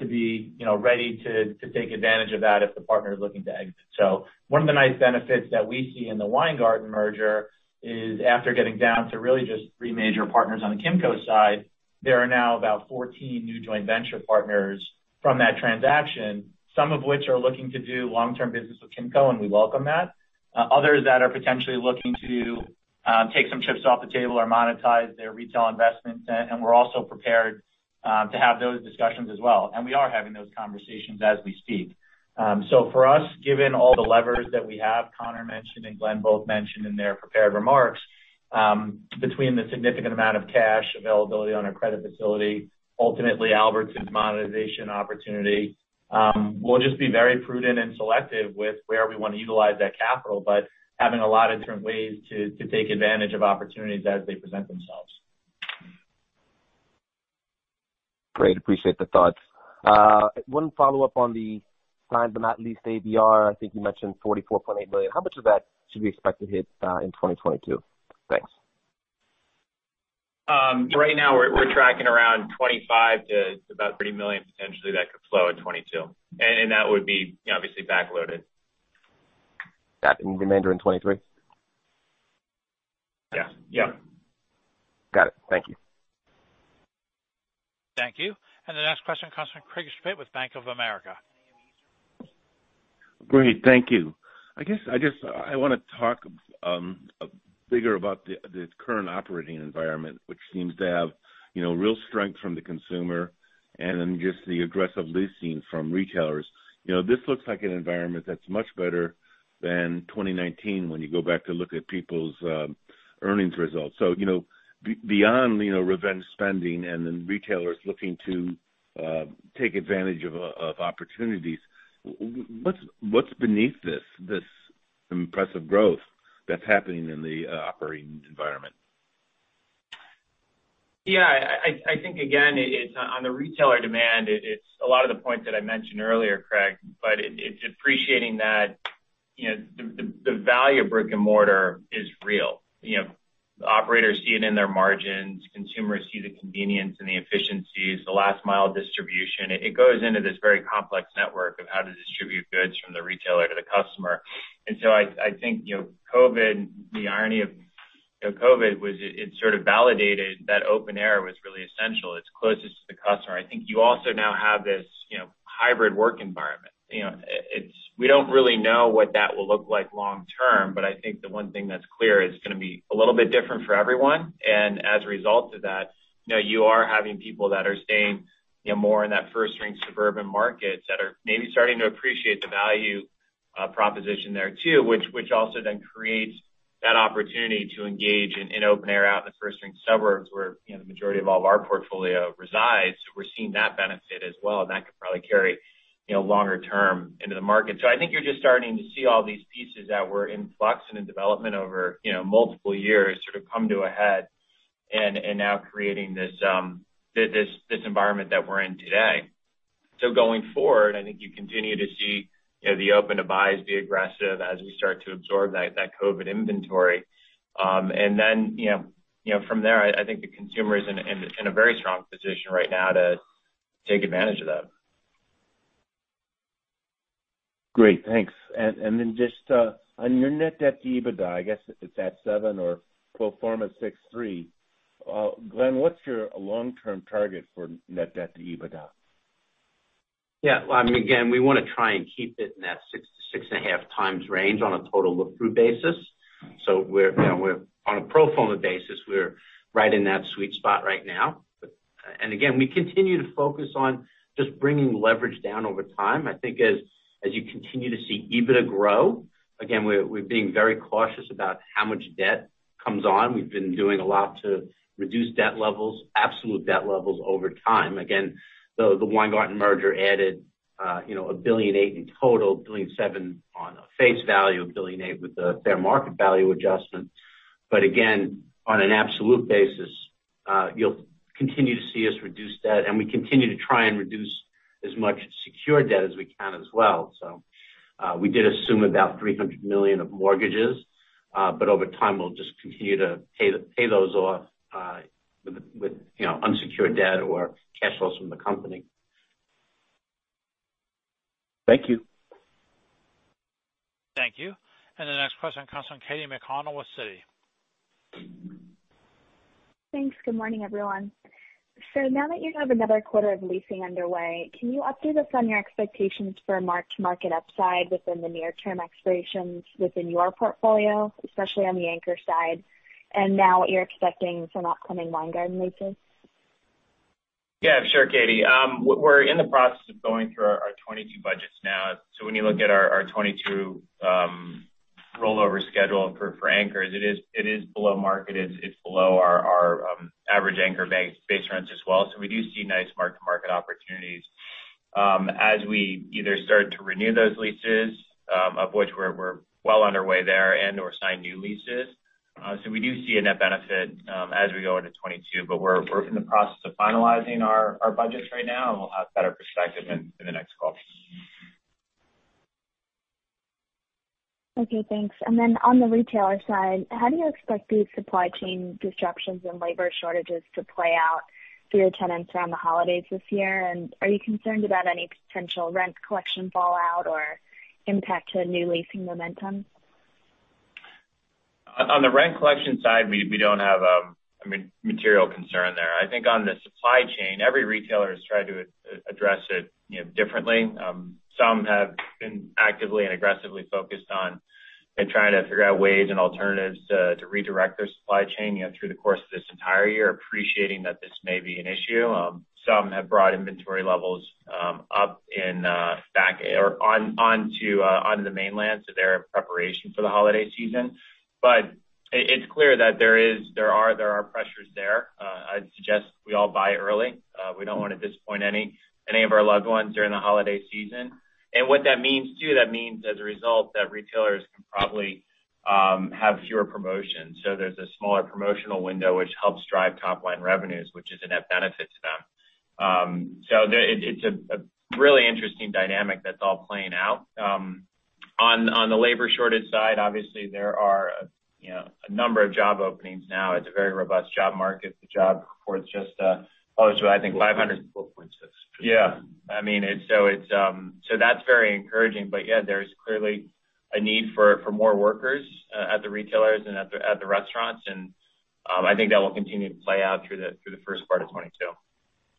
Speaker 4: you know, ready to take advantage of that if the partner is looking to exit. One of the nice benefits that we see in the Weingarten merger is after getting down to really just three major partners on the Kimco side, there are now about 14 new joint venture partners from that transaction, some of which are looking to do long-term business with Kimco, and we welcome that. Others that are potentially looking to take some chips off the table or monetize their retail investment. We're also prepared to have those discussions as well, and we are having those conversations as we speak. For us, given all the levers that we have, Conor mentioned and Glenn both mentioned in their prepared remarks, between the significant amount of cash availability on our credit facility, ultimately Albertsons monetization opportunity, we'll just be very prudent and selective with where we want to utilize that capital, but having a lot of different ways to take advantage of opportunities as they present themselves.
Speaker 11: Great. Appreciate the thoughts. One follow-up on the signed, but not leased ABR. I think you mentioned $44.8 million. How much of that should we expect to hit in 2022? Thanks.
Speaker 7: Right now we're tracking around million to about $30 million potentially that could flow in 2022, and that would be, you know, obviously backloaded.
Speaker 11: That and the remainder in 2023?
Speaker 7: Yeah. Yeah.
Speaker 11: Got it. Thank you.
Speaker 1: Thank you. The next question comes from Craig Schmidt with Bank of America.
Speaker 12: Great. Thank you. I guess I just wanna talk bigger about the current operating environment, which seems to have, you know, real strength from the consumer and then just the aggressive leasing from retailers. You know, this looks like an environment that's much better than 2019 when you go back to look at people's earnings results. You know, beyond, you know, revenge spending and then retailers looking to take advantage of opportunities, what's beneath this impressive growth that's happening in the operating environment?
Speaker 7: Yeah, I think, again, it's on the retailer demand. It's a lot of the points that I mentioned earlier, Craig, but it's appreciating that, you know, the value of brick and mortar is real. You know, operators see it in their margins. Consumers see the convenience and the efficiencies, the last mile distribution. It goes into this very complex network of how to distribute goods from the retailer to the customer. I think, you know, COVID, the irony of, you know, COVID was it sort of validated that open air was really essential. It's closest to the customer. I think you also now have this, you know, hybrid work environment. You know, we don't really know what that will look like long term, but I think the one thing that's clear is it's gonna be a little bit different for everyone. As a result of that, you know, you are having people that are staying, you know, more in that first ring suburban markets that are maybe starting to appreciate the value proposition there too, which also then creates that opportunity to engage in open air out in the first ring suburbs where, you know, the majority of all of our portfolio resides. We're seeing that benefit as well, and that could probably carry, you know, longer term into the market. I think you're just starting to see all these pieces that were in flux and in development over, you know, multiple years sort of come to a head and now creating this environment that we're in today. Going forward, I think you continue to see, you know, the open to buys be aggressive as we start to absorb that COVID inventory. You know, from there, I think the consumer is in a very strong position right now to take advantage of that.
Speaker 12: Great. Thanks. Then just on your net debt to EBITDA, I guess it's at 7x or pro forma 6.3x. Glenn, what's your long-term target for net debt to EBITDA?
Speaker 5: Yeah. I mean, again, we wanna try and keep it in that 6x-6.5x range on a total look-through basis. We're, you know, on a pro forma basis, we're right in that sweet spot right now. We continue to focus on just bringing leverage down over time. I think as you continue to see EBITDA grow, again, we're being very cautious about how much debt comes on. We've been doing a lot to reduce debt levels, absolute debt levels over time. Again, the Weingarten merger added, you know, $1.8 billion in total, $1.7 billion on a face value, $1.8 billion with the fair market value adjustment. Again, on an absolute basis, you'll continue to see us reduce debt, and we continue to try and reduce as much secured debt as we can as well. We did assume about $300 million of mortgages, but over time, we'll just continue to pay those off, with, you know, unsecured debt or cash flows from the company.
Speaker 12: Thank you.
Speaker 1: Thank you. The next question comes from Katy McConnell with Citi.
Speaker 13: Thanks. Good morning, everyone. Now that you have another quarter of leasing underway, can you update us on your expectations for marked-to-market upside within the near term expirations within your portfolio, especially on the anchor side, and now what you're expecting from upcoming Weingarten leases?
Speaker 7: Yeah, sure, Katie. We're in the process of going through our 2022 budgets now. When you look at our 2022 rollover schedule for anchors, it is below market. It's below our average anchor base space rents as well. We do see nice mark-to-market opportunities as we either start to renew those leases, of which we're well underway there, and/or sign new leases. We do see a net benefit as we go into 2022, but we're in the process of finalizing our budgets right now, and we'll have better perspective in the next call.
Speaker 13: Okay, thanks. On the retailer side, how do you expect these supply chain disruptions and labor shortages to play out for your tenants around the holidays this year? Are you concerned about any potential rent collection fallout or impact to new leasing momentum?
Speaker 7: On the rent collection side, we don't have a material concern there. I think on the supply chain, every retailer has tried to address it, you know, differently. Some have been actively and aggressively focused on trying to figure out ways and alternatives to redirect their supply chain, you know, through the course of this entire year, appreciating that this may be an issue. Some have brought inventory levels up and back or onto the mainland, so their preparation for the holiday season. But it's clear that there are pressures there. I'd suggest we all buy early. We don't wanna disappoint any of our loved ones during the holiday season. What that means, too, as a result, that retailers can probably have fewer promotions. There's a smaller promotional window which helps drive top line revenues, which is a net benefit to them. It's a really interesting dynamic that's all playing out. On the labor shortage side, obviously there are, you know, a number of job openings now. It's a very robust job market. The job report is just closed with, I think, 504.6. Yeah. I mean, it's so that's very encouraging. But yeah, there's clearly a need for more workers at the retailers and at the restaurants. I think that will continue to play out through the first part of 2022.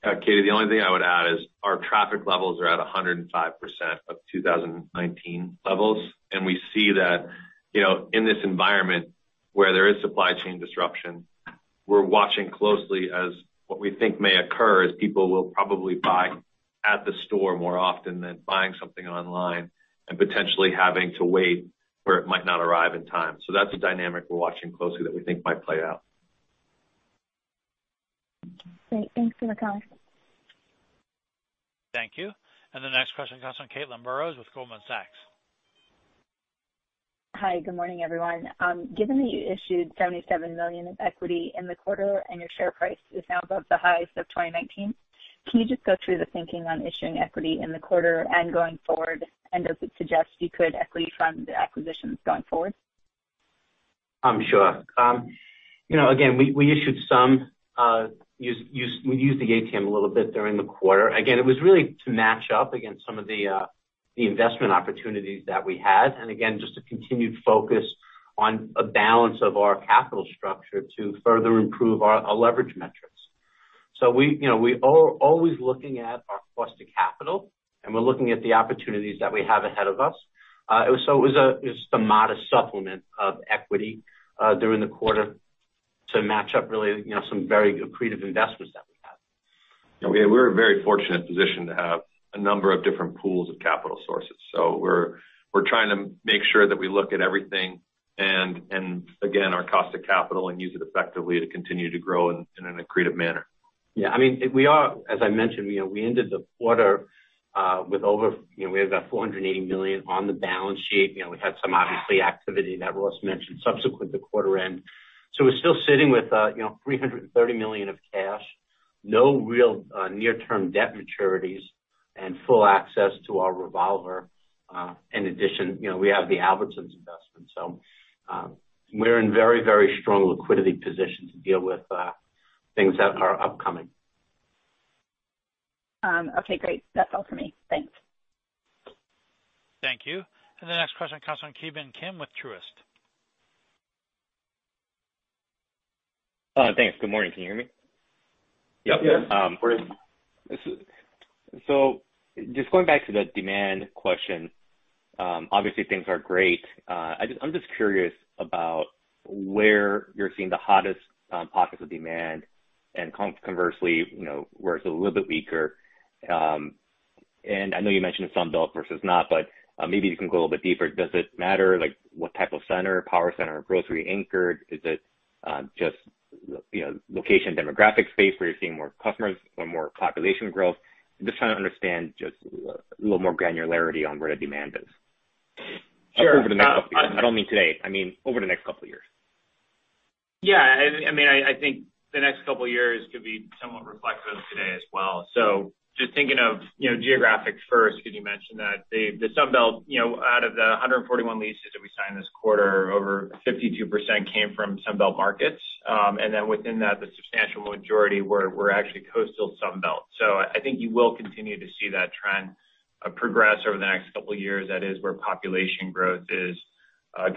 Speaker 3: Katy, the only thing I would add is our traffic levels are at 105% of 2019 levels. We see that, you know, in this environment where there is supply chain disruption, we're watching closely as what we think may occur, as people will probably buy at the store more often than buying something online and potentially having to wait where it might not arrive in time. That's a dynamic we're watching closely that we think might play out.
Speaker 13: Great. Thanks for the color.
Speaker 1: Thank you. The next question comes from Caitlin Burrows with Goldman Sachs.
Speaker 14: Hi. Good morning, everyone. Given that you issued $77 million in equity in the quarter and your share price is now above the highs of 2019, can you just go through the thinking on issuing equity in the quarter and going forward? Does it suggest you could equity fund acquisitions going forward?
Speaker 5: Sure. You know, again, we used the ATM a little bit during the quarter. Again, it was really to match up against some of the investment opportunities that we had. Again, just a continued focus on a balance of our capital structure to further improve our leverage metrics. You know, we always looking at our cost to capital, and we're looking at the opportunities that we have ahead of us. It was a modest supplement of equity during the quarter to match up really, you know, some very accretive investments that we have. Yeah, we're in a very fortunate position to have a number of different pools of capital sources. We're trying to make sure that we look at everything and again, our cost of capital and use it effectively to continue to grow in an accretive manner. Yeah, I mean, as I mentioned, you know, we ended the quarter with over, you know, we had about $480 million on the balance sheet. You know, we had some, obviously, activity that Ross mentioned subsequent to quarter end. We're still sitting with, you know, $330 million of cash, no real near-term debt maturities and full access to our revolver. In addition, you know, we have the Albertsons investment. We're in very, very strong liquidity position to deal with things that are upcoming.
Speaker 14: Okay, great. That's all for me. Thanks.
Speaker 1: Thank you. The next question comes from Ki Bin Kim with Truist.
Speaker 15: Thanks. Good morning. Can you hear me?
Speaker 7: Yep.
Speaker 3: Yes.
Speaker 15: Just going back to the demand question, obviously things are great. I'm just curious about where you're seeing the hottest pockets of demand, and conversely, you know, where it's a little bit weaker. I know you mentioned Sun Belt versus not, but maybe you can go a little bit deeper. Does it matter, like, what type of center, power center, grocery anchored? Is it just, you know, location, demographic space where you're seeing more customers or more population growth? I'm just trying to understand just a little more granularity on where the demand is.
Speaker 7: Sure.
Speaker 15: I don't mean today, I mean over the next couple of years.
Speaker 7: Yeah. I mean, I think the next couple of years could be somewhat reflective of today as well. Just thinking of, you know, geographic first, because you mentioned that the Sun Belt, out of the 141 leases that we signed this quarter, over 52% came from Sun Belt markets. And then within that, the substantial majority were actually coastal Sun Belt. I think you will continue to see that trend progress over the next couple of years. That is where population growth is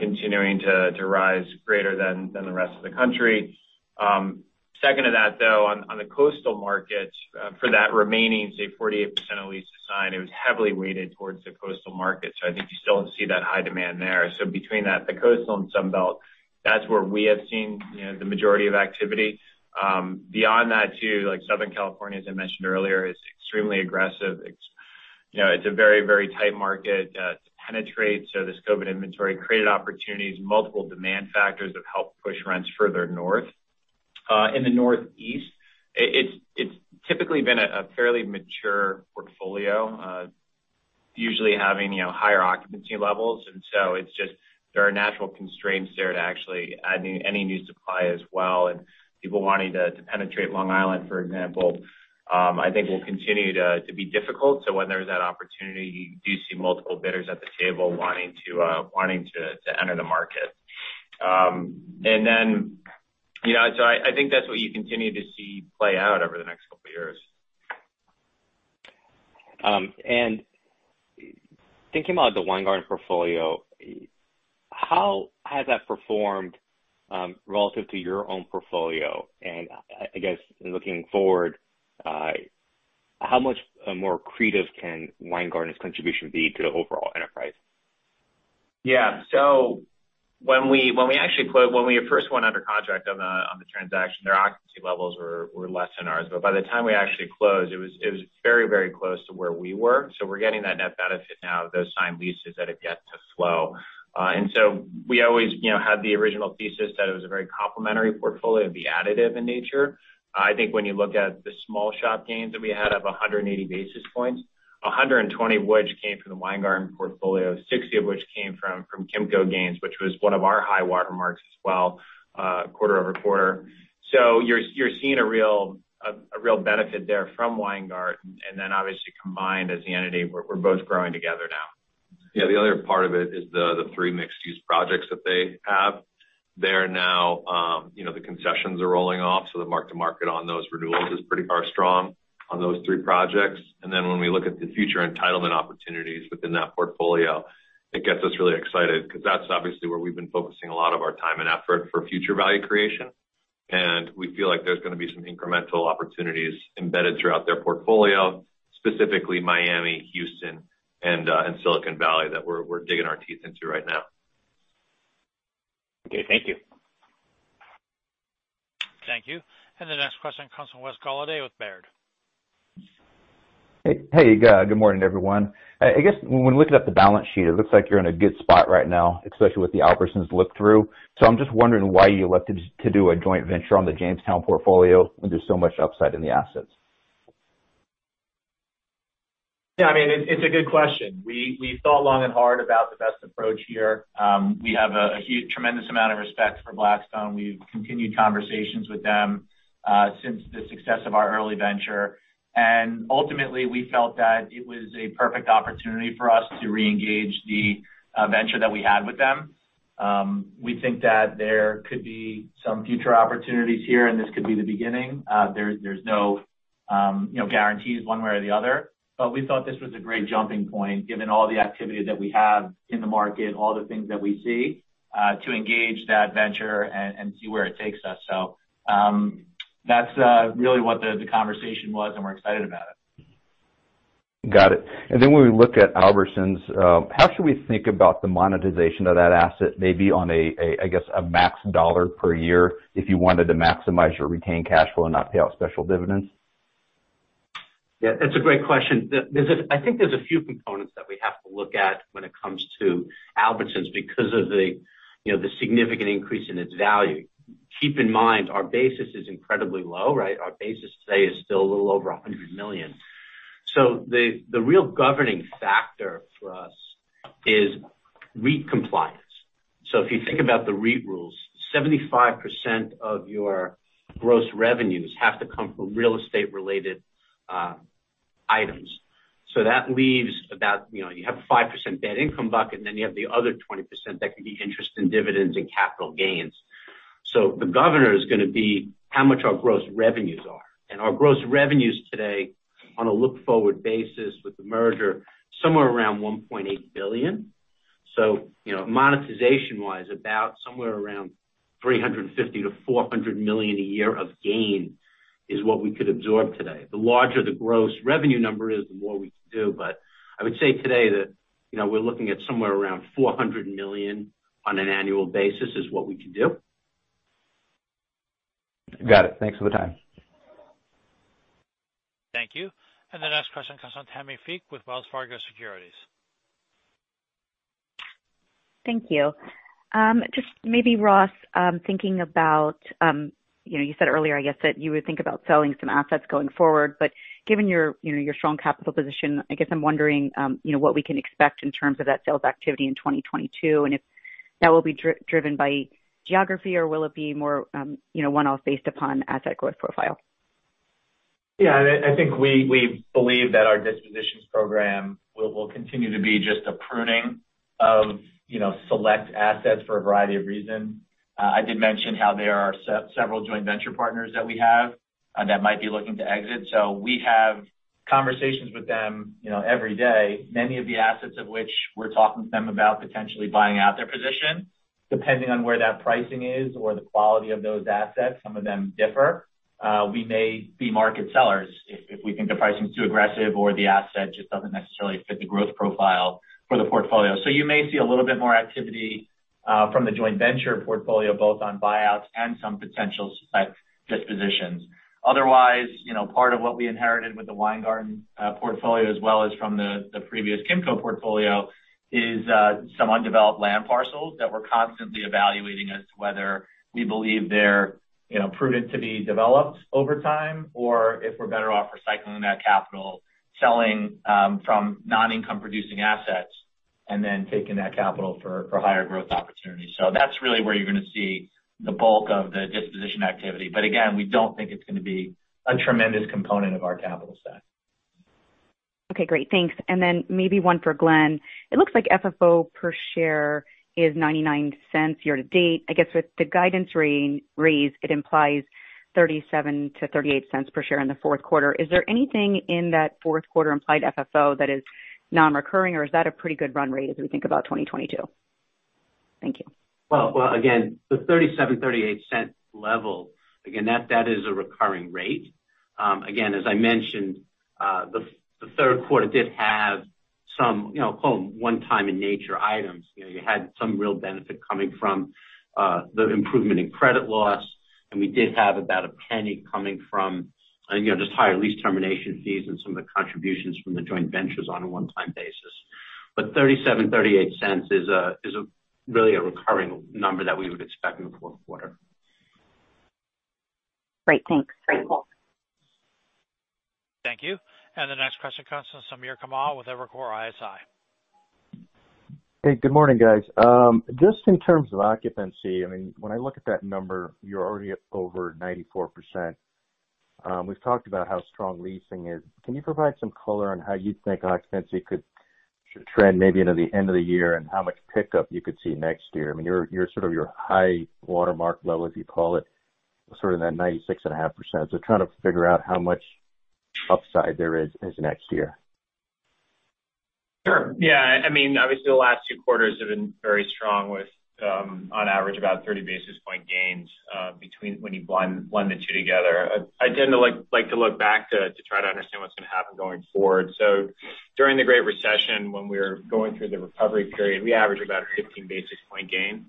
Speaker 7: continuing to rise greater than the rest of the country. Second to that, though, on the coastal markets, for that remaining, say 48% of leases signed, it was heavily weighted towards the coastal market. I think you still see that high demand there. Between that, the coastal and Sun Belt, that's where we have seen the majority of activity. Beyond that too, like Southern California, as I mentioned earlier, is extremely aggressive except. You know, it's a very, very tight market to penetrate. This COVID inventory created opportunities. Multiple demand factors have helped push rents further north. In the Northeast, it's typically been a fairly mature portfolio, usually having higher occupancy levels. It's just, there are natural constraints there to actually adding any new supply as well. People wanting to penetrate Long Island, for example, I think will continue to be difficult. When there's that opportunity, you do see multiple bidders at the table wanting to enter the market. You know, I think that's what you continue to see play out over the next couple of years.
Speaker 15: Thinking about the Weingarten portfolio, how has that performed, relative to your own portfolio? I guess, looking forward, how much more accretive can Weingarten's contribution be to the overall enterprise?
Speaker 7: Yeah. When we first went under contract on the transaction, their occupancy levels were less than ours. By the time we actually closed, it was very close to where we were. We're getting that net benefit now of those signed leases that have yet to flow. We always, you know, had the original thesis that it was a very complementary portfolio, it'd be additive in nature. I think when you look at the small shop gains that we had of 100 basis points, 120 which came from the Weingarten portfolio, 60 of which came from Kimco gains, which was one of our high water marks as well, quarter-over-quarter. You're seeing a real benefit there from Weingarten. Obviously combined as the entity, we're both growing together now.
Speaker 3: Yeah. The other part of it is the three mixed-use projects that they have. They're now, you know, the concessions are rolling off, so the mark-to-market on those renewals is pretty favorable on those three projects. Then when we look at the future entitlement opportunities within that portfolio, it gets us really excited because that's obviously where we've been focusing a lot of our time and effort for future value creation. We feel like there's gonna be some incremental opportunities embedded throughout their portfolio, specifically Miami, Houston, and Silicon Valley that we're digging our teeth into right now.
Speaker 15: Okay. Thank you.
Speaker 1: Thank you. The next question comes from Wes Golladay with Baird.
Speaker 16: Hey. Hey, good morning, everyone. I guess when looking at the balance sheet, it looks like you're in a good spot right now, especially with the Albertsons look through. I'm just wondering why you elected to do a joint venture on the Jamestown portfolio when there's so much upside in the assets.
Speaker 4: Yeah. I mean, it's a good question. We thought long and hard about the best approach here. We have a tremendous amount of respect for Blackstone. We've continued conversations with them since the success of our early venture. Ultimately, we felt that it was a perfect opportunity for us to re-engage the venture that we had with them. We think that there could be some future opportunities here, and this could be the beginning. There's no, you know, guarantees one way or the other. We thought this was a great jumping point given all the activity that we have in the market, all the things that we see to engage that venture and see where it takes us. That's really what the conversation was, and we're excited about it.
Speaker 16: Got it. When we look at Albertsons, how should we think about the monetization of that asset, maybe on a, I guess, a max dollar per year if you wanted to maximize your retained cash flow and not pay out special dividends?
Speaker 5: Yeah, that's a great question. There's a few components that we have to look at when it comes to Albertsons because of the, you know, the significant increase in its value. Keep in mind, our basis is incredibly low, right? Our basis today is still a little over $100 million. The real governing factor for us is REIT compliance. If you think about the REIT rules, 75% of your gross revenues have to come from real estate-related items. That leaves about. You know, you have a 5% bad income bucket, and then you have the other 20% that could be interest and dividends and capital gains. The governor is gonna be how much our gross revenues are. Our gross revenues today on a look-forward basis with the merger, somewhere around $1.8 billion. You know, monetization-wise, about somewhere around $350 million-$400 million a year of gain is what we could absorb today. The larger the gross revenue number is, the more we can do. I would say today that, you know, we're looking at somewhere around $400 million on an annual basis is what we can do.
Speaker 16: Got it. Thanks for the time.
Speaker 1: Thank you. The next question comes from Tammi Fique with Wells Fargo Securities.
Speaker 17: Thank you. Just maybe Ross, thinking about, you know, you said earlier, I guess, that you would think about selling some assets going forward. Given your, you know, your strong capital position, I guess I'm wondering, you know, what we can expect in terms of that sales activity in 2022, and if that will be driven by geography or will it be more, you know, one-off based upon asset growth profile?
Speaker 4: Yeah. I think we believe that our dispositions program will continue to be just a pruning of, you know, select assets for a variety of reasons. I did mention how there are several joint venture partners that we have that might be looking to exit. We have conversations with them, you know, every day, many of the assets of which we're talking to them about potentially buying out their position, depending on where that pricing is or the quality of those assets. Some of them differ. We may be market sellers if we think the pricing's too aggressive or the asset just doesn't necessarily fit the growth profile for the portfolio. You may see a little bit more activity from the joint venture portfolio, both on buyouts and some potential site dispositions. Otherwise, you know, part of what we inherited with the Weingarten portfolio, as well as from the previous Kimco portfolio, is some undeveloped land parcels that we're constantly evaluating as to whether we believe they're, you know, prudent to be developed over time or if we're better off recycling that capital, selling from non-income producing assets and then taking that capital for higher growth opportunities. That's really where you're gonna see the bulk of the disposition activity. Again, we don't think it's gonna be a tremendous component of our capital stack.
Speaker 17: Okay, great. Thanks. Maybe one for Glenn. It looks like FFO per share is $0.99 year-to-date. I guess with the guidance raise, it implies $0.37-$0.38 per share in the fourth quarter. Is there anything in that fourth quarter implied FFO that is non-recurring, or is that a pretty good run rate as we think about 2022? Thank you.
Speaker 5: Well, again, the $0.37-$0.38 level. Again, that is a recurring rate. Again, as I mentioned, the third quarter did have some, you know, call them one-time in nature items. You know, you had some real benefit coming from the improvement in credit loss. We did have about $0.01 coming from, you know, just higher lease termination fees and some of the contributions from the joint ventures on a one-time basis. $0.37-$0.38 is really a recurring number that we would expect in the fourth quarter.
Speaker 17: Great. Thanks.
Speaker 7: You're welcome.
Speaker 1: Thank you. The next question comes from Samir Khanal with Evercore ISI.
Speaker 18: Hey, good morning, guys. Just in terms of occupancy, I mean, when I look at that number, you're already at over 94%. We've talked about how strong leasing is. Can you provide some color on how you think occupancy should trend maybe into the end of the year and how much pickup you could see next year? I mean, your sort of high watermark level, as you call it, sort of that 96.5%. So trying to figure out how much upside there is next year.
Speaker 7: Sure. Yeah. I mean, obviously the last two quarters have been very strong with, on average about 30 basis point gains, between when you blend the two together. I tend to like to look back to try to understand what's gonna happen going forward. During the Great Recession, when we were going through the recovery period, we averaged about a 15 basis point gain,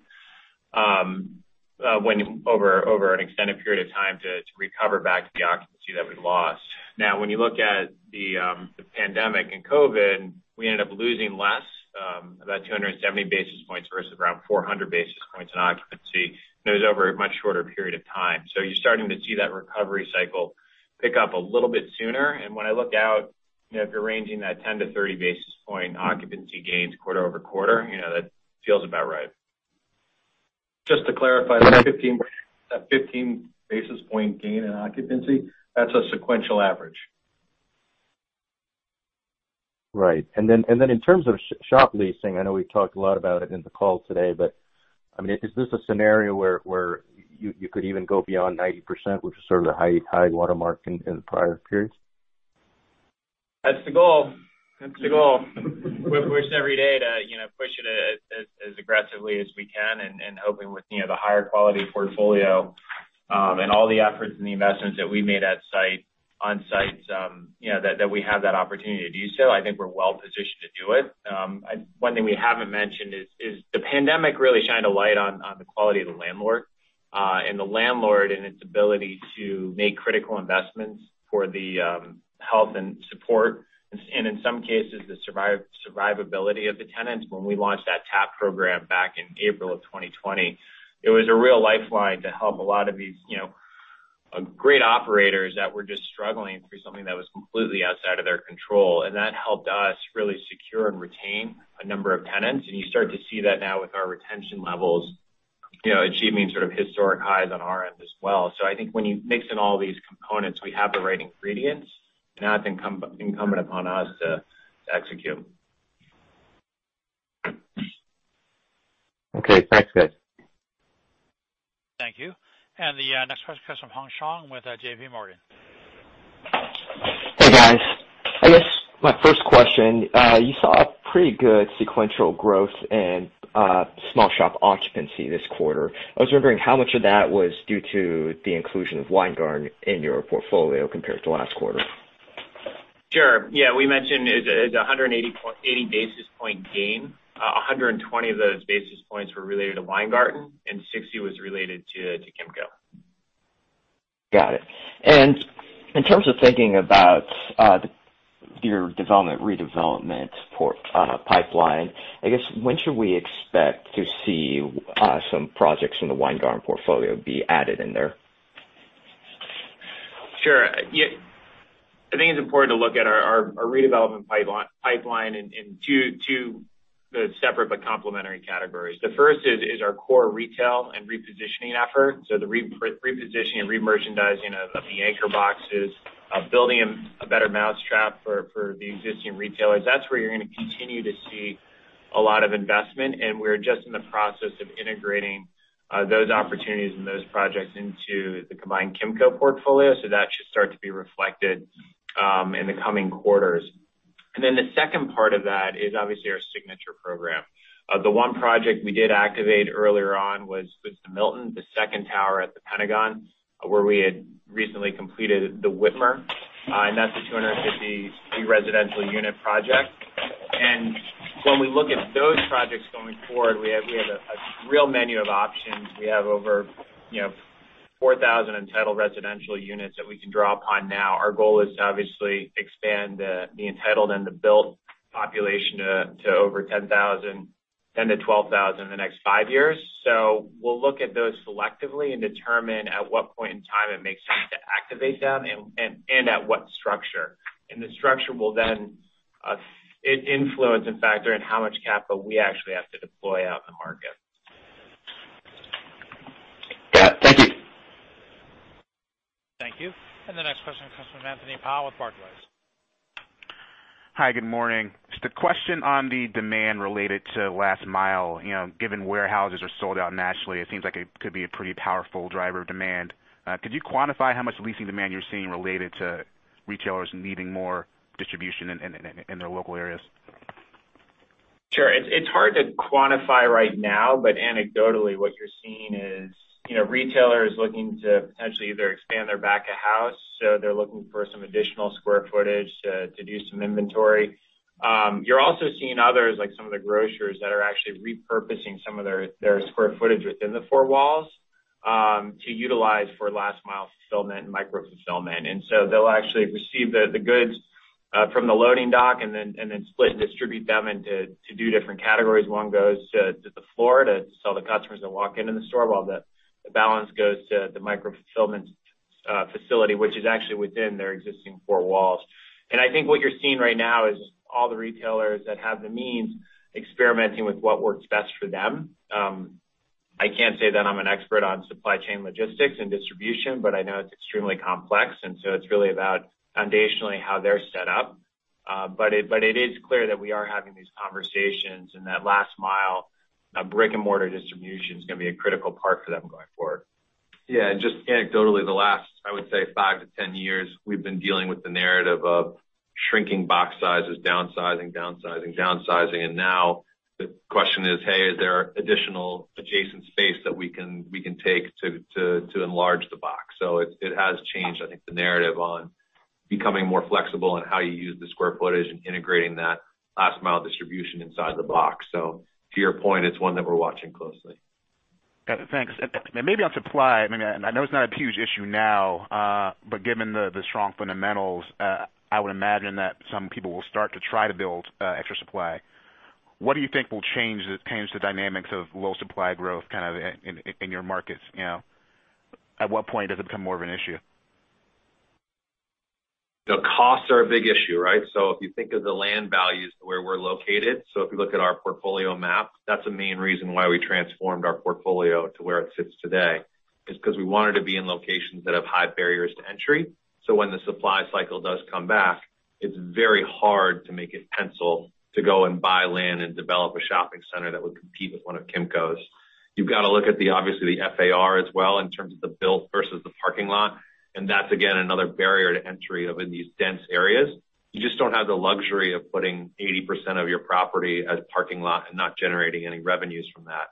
Speaker 7: when over an extended period of time to recover back to the occupancy that we lost. Now, when you look at the pandemic and COVID, we ended up losing less, about 270 basis points versus around 400 basis points in occupancy. It was over a much shorter period of time. You're starting to see that recovery cycle pick up a little bit sooner. When I look out, you know, if you're ranging that 10-30 basis points occupancy gains quarter-over-quarter, you know, that feels about right.
Speaker 2: Just to clarify, that 15 basis points gain in occupancy, that's a sequential average.
Speaker 18: Right. In terms of shop leasing, I know we've talked a lot about it in the call today, but I mean, is this a scenario where you could even go beyond 90%, which is sort of the high watermark in the prior periods?
Speaker 7: That's the goal. We push every day to, you know, push it as aggressively as we can and hoping with, you know, the higher quality portfolio and all the efforts and the investments that we made on sites, you know, that we have that opportunity to do so. I think we're well positioned to do it. One thing we haven't mentioned is the pandemic really shined a light on the quality of the landlord and the landlord and its ability to make critical investments for the health and support and in some cases, the survivability of the tenants. When we launched that TAP program back in April of 2020, it was a real lifeline to help a lot of these, you know, great operators that were just struggling through something that was completely outside of their control. That helped us really secure and retain a number of tenants. You start to see that now with our retention levels, you know, achieving sort of historic highs on our end as well. I think when you mix in all these components, we have the right ingredients. Now it's incumbent upon us to execute.
Speaker 18: Okay. Thanks, guys.
Speaker 1: Thank you. The next question comes from Hong Zhang with JPMorgan.
Speaker 19: Hey, guys. I guess my first question, you saw a pretty good sequential growth in small shop occupancy this quarter. I was wondering how much of that was due to the inclusion of Weingarten in your portfolio compared to last quarter.
Speaker 7: Sure. Yeah. We mentioned it's a 180 basis point gain. 120 of those basis points were related to Weingarten, and 60 was related to Kimco.
Speaker 19: Got it. In terms of thinking about your development, redevelopment pipeline, I guess, when should we expect to see some projects from the Weingarten portfolio be added in there?
Speaker 7: Sure. Yeah. I think it's important to look at our redevelopment pipeline in two separate but complementary categories. The first is our core retail and repositioning effort, the repositioning and remerchandising of the anchor boxes, building a better mousetrap for the existing retailers. That's where you're gonna continue to see a lot of investment, and we're just in the process of integrating those opportunities and those projects into the combined Kimco portfolio. That should start to be reflected in the coming quarters. The second part of that is obviously our signature program. The one project we did activate earlier on was the Milton, the second tower at Pentagon where we had recently completed The Witmer. That's a 250 residential unit project. Going forward, we have a real menu of options. We have over, you know, 4,000 entitled residential units that we can draw upon now. Our goal is to obviously expand the entitled and the built population to over 10,000-12,000 in the next five years. We'll look at those selectively and determine at what point in time it makes sense to activate them and at what structure. The structure will then influence and factor in how much capital we actually have to deploy out in the market.
Speaker 19: Yeah. Thank you.
Speaker 1: Thank you. The next question comes from Anthony Powell with Barclays.
Speaker 20: Hi, good morning. Just a question on the demand related to last mile. You know, given warehouses are sold out nationally, it seems like it could be a pretty powerful driver of demand. Could you quantify how much leasing demand you're seeing related to retailers needing more distribution in their local areas?
Speaker 7: Sure. It's hard to quantify right now, but anecdotally, what you're seeing is, you know, retailers looking to potentially either expand their back of house, so they're looking for some additional square footage to do some inventory. You're also seeing others, like some of the grocers that are actually repurposing some of their square footage within the four walls to utilize for last mile fulfillment and micro fulfillment. They'll actually receive the goods from the loading dock and then split and distribute them into different categories. One goes to the floor to sell to the customers that walk into the store, while the balance goes to the micro fulfillment facility, which is actually within their existing four walls. I think what you're seeing right now is all the retailers that have the means experimenting with what works best for them. I can't say that I'm an expert on supply chain logistics and distribution, but I know it's extremely complex, and so it's really about foundationally how they're set up. But it is clear that we are having these conversations and that last mile, brick-and-mortar distribution is gonna be a critical part for them going forward.
Speaker 3: Yeah, just anecdotally, the last, I would say 5-10 years, we've been dealing with the narrative of shrinking box sizes, downsizing. Now the question is, hey, is there additional adjacent space that we can take to enlarge the box? It has changed, I think, the narrative on becoming more flexible in how you use the square footage and integrating that last mile distribution inside the box. To your point, it's one that we're watching closely.
Speaker 20: Got it. Thanks. Maybe on supply, I mean, I know it's not a huge issue now, but given the strong fundamentals, I would imagine that some people will start to try to build extra supply. What do you think will change the dynamics of low supply growth kind of in your markets, you know? At what point does it become more of an issue?
Speaker 3: The costs are a big issue, right? If you think of the land values where we're located, so if you look at our portfolio map, that's the main reason why we transformed our portfolio to where it sits today, is 'cause we wanted to be in locations that have high barriers to entry. When the supply cycle does come back, it's very hard to make it pencil to go and buy land and develop a shopping center that would compete with one of Kimco's. You've got to look at the, obviously, the FAR as well in terms of the build versus the parking lot, and that's again, another barrier to entry of in these dense areas. You just don't have the luxury of putting 80% of your property as parking lot and not generating any revenues from that.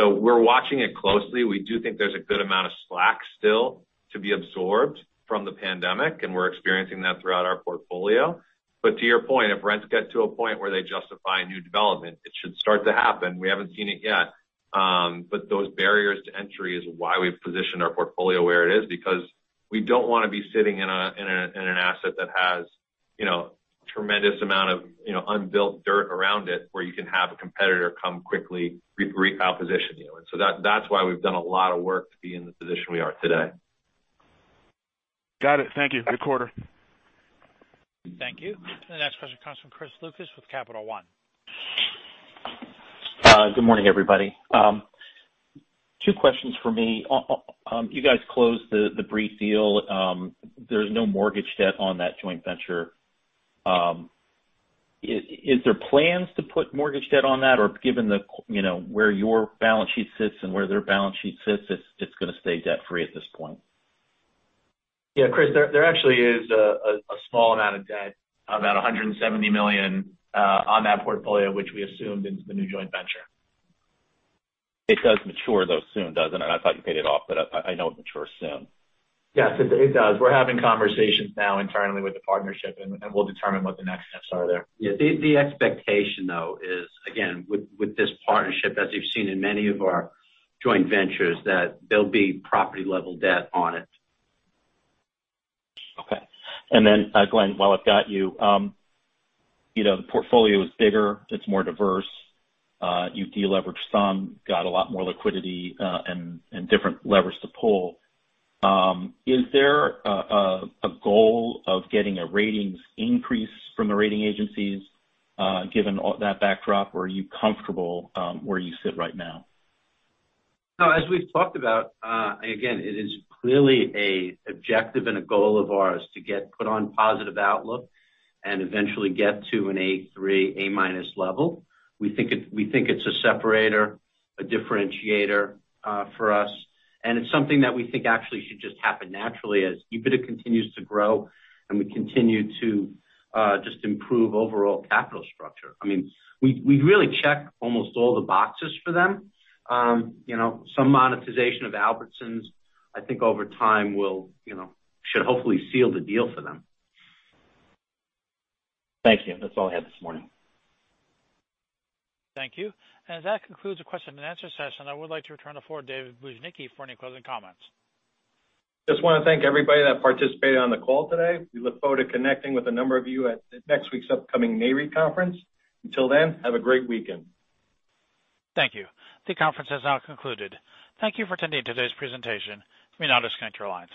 Speaker 3: We're watching it closely. We do think there's a good amount of slack still to be absorbed from the pandemic, and we're experiencing that throughout our portfolio. To your point, if rents get to a point where they justify new development, it should start to happen. We haven't seen it yet. Those barriers to entry is why we've positioned our portfolio where it is, because we don't wanna be sitting in an asset that has, you know, tremendous amount of, you know, unbuilt dirt around it, where you can have a competitor come quickly reposition you. That, that's why we've done a lot of work to be in the position we are today.
Speaker 20: Got it. Thank you. Good quarter.
Speaker 1: Thank you. The next question comes from Chris Lucas with Capital One.
Speaker 21: Good morning, everybody. Two questions for me. You guys closed the BREIT deal. There's no mortgage debt on that joint venture. Is there plans to put mortgage debt on that? Given the, you know, where your balance sheet sits and where their balance sheet sits, it's gonna stay debt-free at this point.
Speaker 4: Yeah, Chris, there actually is a small amount of debt, about $170 million on that portfolio, which we assumed into the new joint venture.
Speaker 21: It does mature though soon, doesn't it?
Speaker 4: I thought you paid it off, but I know it matures soon. Yes, it does. We're having conversations now internally with the partnership and we'll determine what the next steps are there.
Speaker 5: The expectation though is, again, with this partnership, as you've seen in many of our joint ventures, that there'll be property level debt on it.
Speaker 21: Okay. Glenn, while I've got you know, the portfolio is bigger, it's more diverse. You've deleveraged some, got a lot more liquidity, and different levers to pull. Is there a goal of getting a ratings increase from the rating agencies, given all that backdrop, or are you comfortable where you sit right now?
Speaker 5: No, as we've talked about, again, it is clearly an objective and a goal of ours to get put on positive outlook and eventually get to an A3, A- level. We think it's a separator, a differentiator, for us, and it's something that we think actually should just happen naturally as EBITDA continues to grow and we continue to just improve overall capital structure. I mean, we really check almost all the boxes for them. You know, some monetization of Albertsons, I think over time will, you know, should hopefully seal the deal for them.
Speaker 21: Thank you. That's all I had this morning.
Speaker 1: Thank you. That concludes the question-and-answer session. I would like to turn the floor to David Bujnicki for any closing comments.
Speaker 2: Just wanna thank everybody that participated on the call today. We look forward to connecting with a number of you at next week's upcoming Nareit conference. Until then, have a great weekend.
Speaker 1: Thank you. The conference has now concluded. Thank you for attending today's presentation. You may now disconnect your lines.